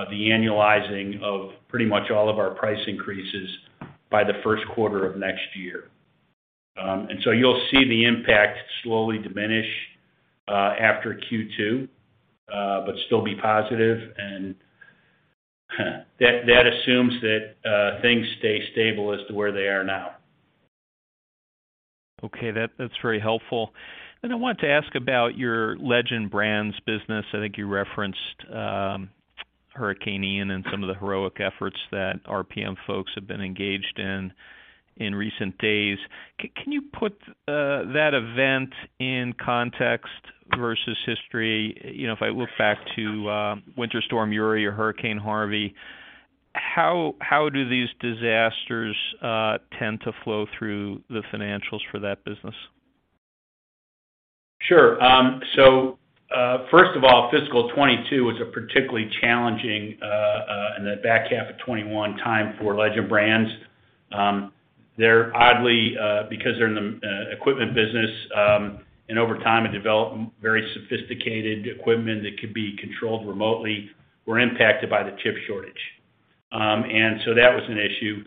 the annualizing of pretty much all of our price increases by the first quarter of next year. You'll see the impact slowly diminish after Q2, but still be positive. That assumes that things stay stable as they are now. Okay, that's very helpful. I want to ask about your Legend Brands business. I think you referenced Hurricane Ian and some of the heroic efforts that RPM folks have been engaged in recent days. Can you put that event in context versus history? You know, if I look back to Winter Storm Uri or Hurricane Harvey, how do these disasters tend to flow through the financials for that business? Sure. First of all, fiscal 2022 was a particularly challenging time in the back half of 2021 for Legend Brands. They were oddly impacted by the chip shortage because they are in the equipment business and over time have developed very sophisticated equipment that could be controlled remotely. That was an issue.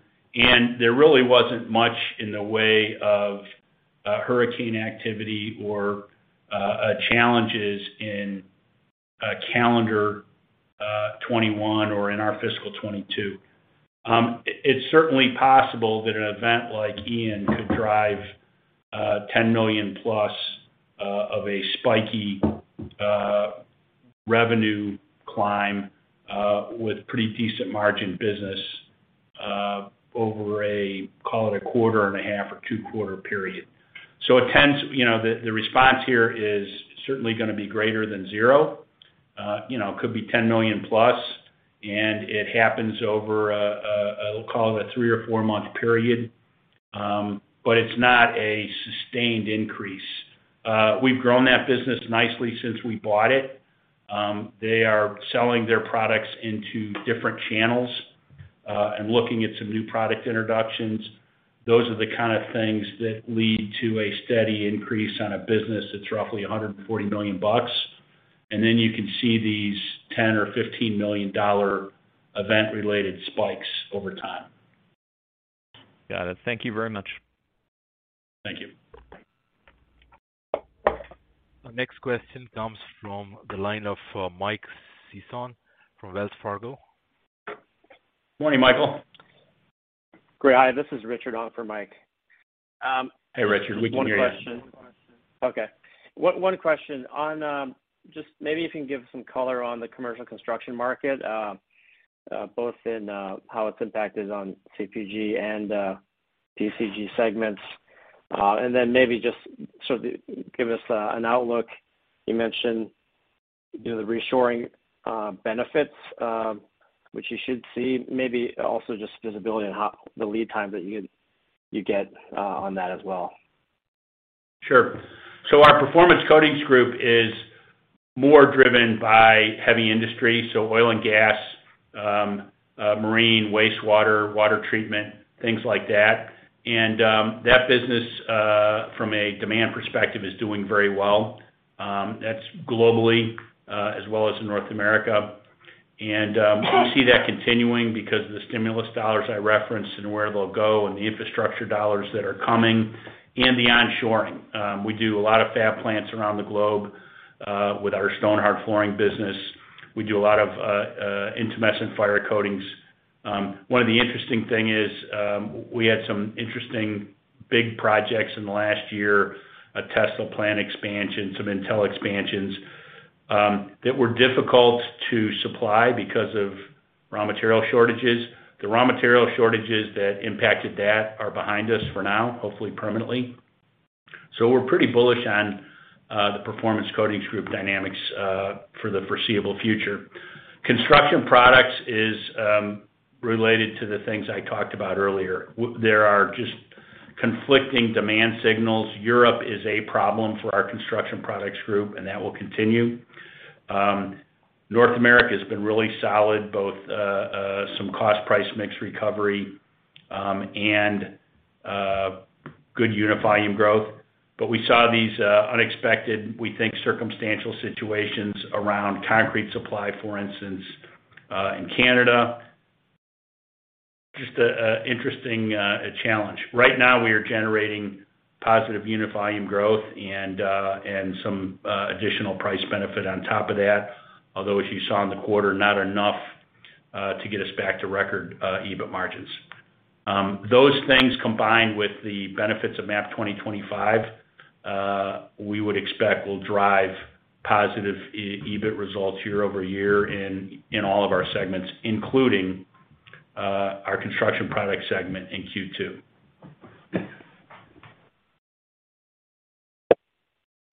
There really wasn't much in the way of hurricane activity or challenges in calendar 2021 or in our fiscal 2022. It's certainly possible that an event like Ian could drive $10 million plus of a spiky revenue climb with pretty decent margin business over a call it a quarter and a half or two-quarter period. You know, the response here is certainly gonna be greater than zero. You know, it could be $10 million+, and it happens over a call it a three or four-month period. It's not a sustained increase. We've grown that business nicely since we bought it. They are selling their products into different channels and looking at some new product introductions. Those are the kind of things that lead to a steady increase on a business that's roughly $140 million. You can see these $10 million or $15 million event-related spikes over time. Got it. Thank you very much. Thank you. Our next question comes from the line of Mike Sison from Wells Fargo. Morning, Michael. Great. Hi, this is Richard on for Mike. Hey, Richard. We can hear you. One question. On just maybe you can give some color on the commercial construction market, both in how it's impacted on CPG and PCG segments. Then maybe just sort of give us an outlook. You mentioned, you know, the reshoring benefits, which you should see. Maybe also just visibility on how the lead time that you get on that as well. Sure. Our Performance Coatings Group is more driven by heavy industry, so oil and gas, marine wastewater, water treatment, things like that. That business, from a demand perspective, is doing very well. That's globally, as well as in North America. We see that continuing because of the stimulus dollars I referenced and where they'll go and the infrastructure dollars that are coming and the onshoring. We do a lot of fab plants around the globe, with our Stonhard flooring business. We do a lot of intumescent fire coatings. One of the interesting thing is, we had some interesting big projects in the last year, a Tesla plant expansion, some Intel expansions, that were difficult to supply because of raw material shortages. The raw material shortages that impacted that are behind us for now, hopefully permanently. We're pretty bullish on the Performance Coatings Group dynamics for the foreseeable future. Construction Products Group is related to the things I talked about earlier. There are just conflicting demand signals. Europe is a problem for our Construction Products Group, and that will continue. North America has been really solid, both some cost price mix recovery and good unit volume growth. But we saw these unexpected, we think circumstantial situations around concrete supply, for instance, in Canada. Just an interesting challenge. Right now, we are generating positive unit volume growth and some additional price benefit on top of that. Although, as you saw in the quarter, not enough to get us back to record EBIT margins. Those things, combined with the benefits of MAP 2025, we would expect will drive positive EBIT results year-over-year in all of our segments, including our Construction Products Group in Q2.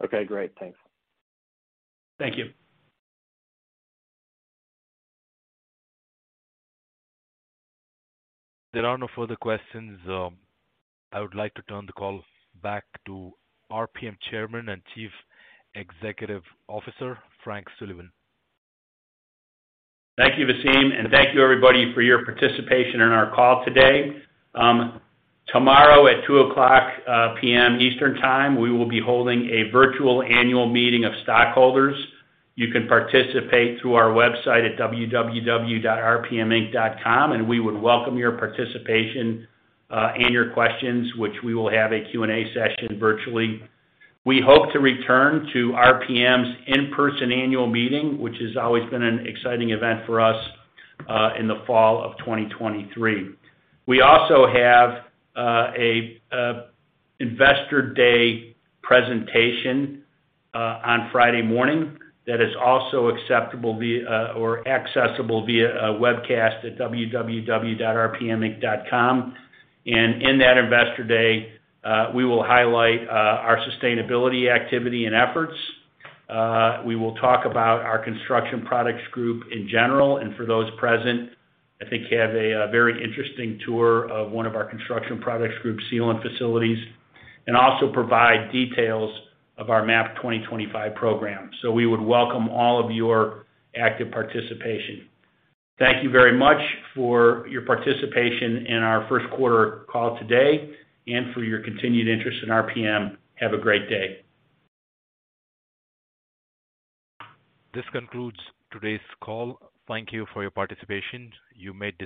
Okay, great. Thanks. Thank you. There are no further questions. I would like to turn the call back to RPM Chairman and Chief Executive Officer, Frank Sullivan. Thank you, Waseem, and thank you everybody for your participation in our call today. Tomorrow at 2:00 P.M. Eastern Time, we will be holding a virtual annual meeting of stockholders. You can participate through our website at www.rpminc.com, and we would welcome your participation and your questions, which we will have a Q&A session virtually. We hope to return to RPM's in-person annual meeting, which has always been an exciting event for us in the fall of 2023. We also have an investor day presentation on Friday morning that is also acceptable via or accessible via a webcast at www.rpminc.com. In that investor day, we will highlight our sustainability activity and efforts. We will talk about our Construction Products Group in general. For those present, I think you have a very interesting tour of one of our Construction Products Group sealant facilities, and also provide details of our MAP 2025 program. We would welcome all of your active participation. Thank you very much for your participation in our first quarter call today and for your continued interest in RPM. Have a great day. This concludes today's call. Thank you for your participation. You may dis-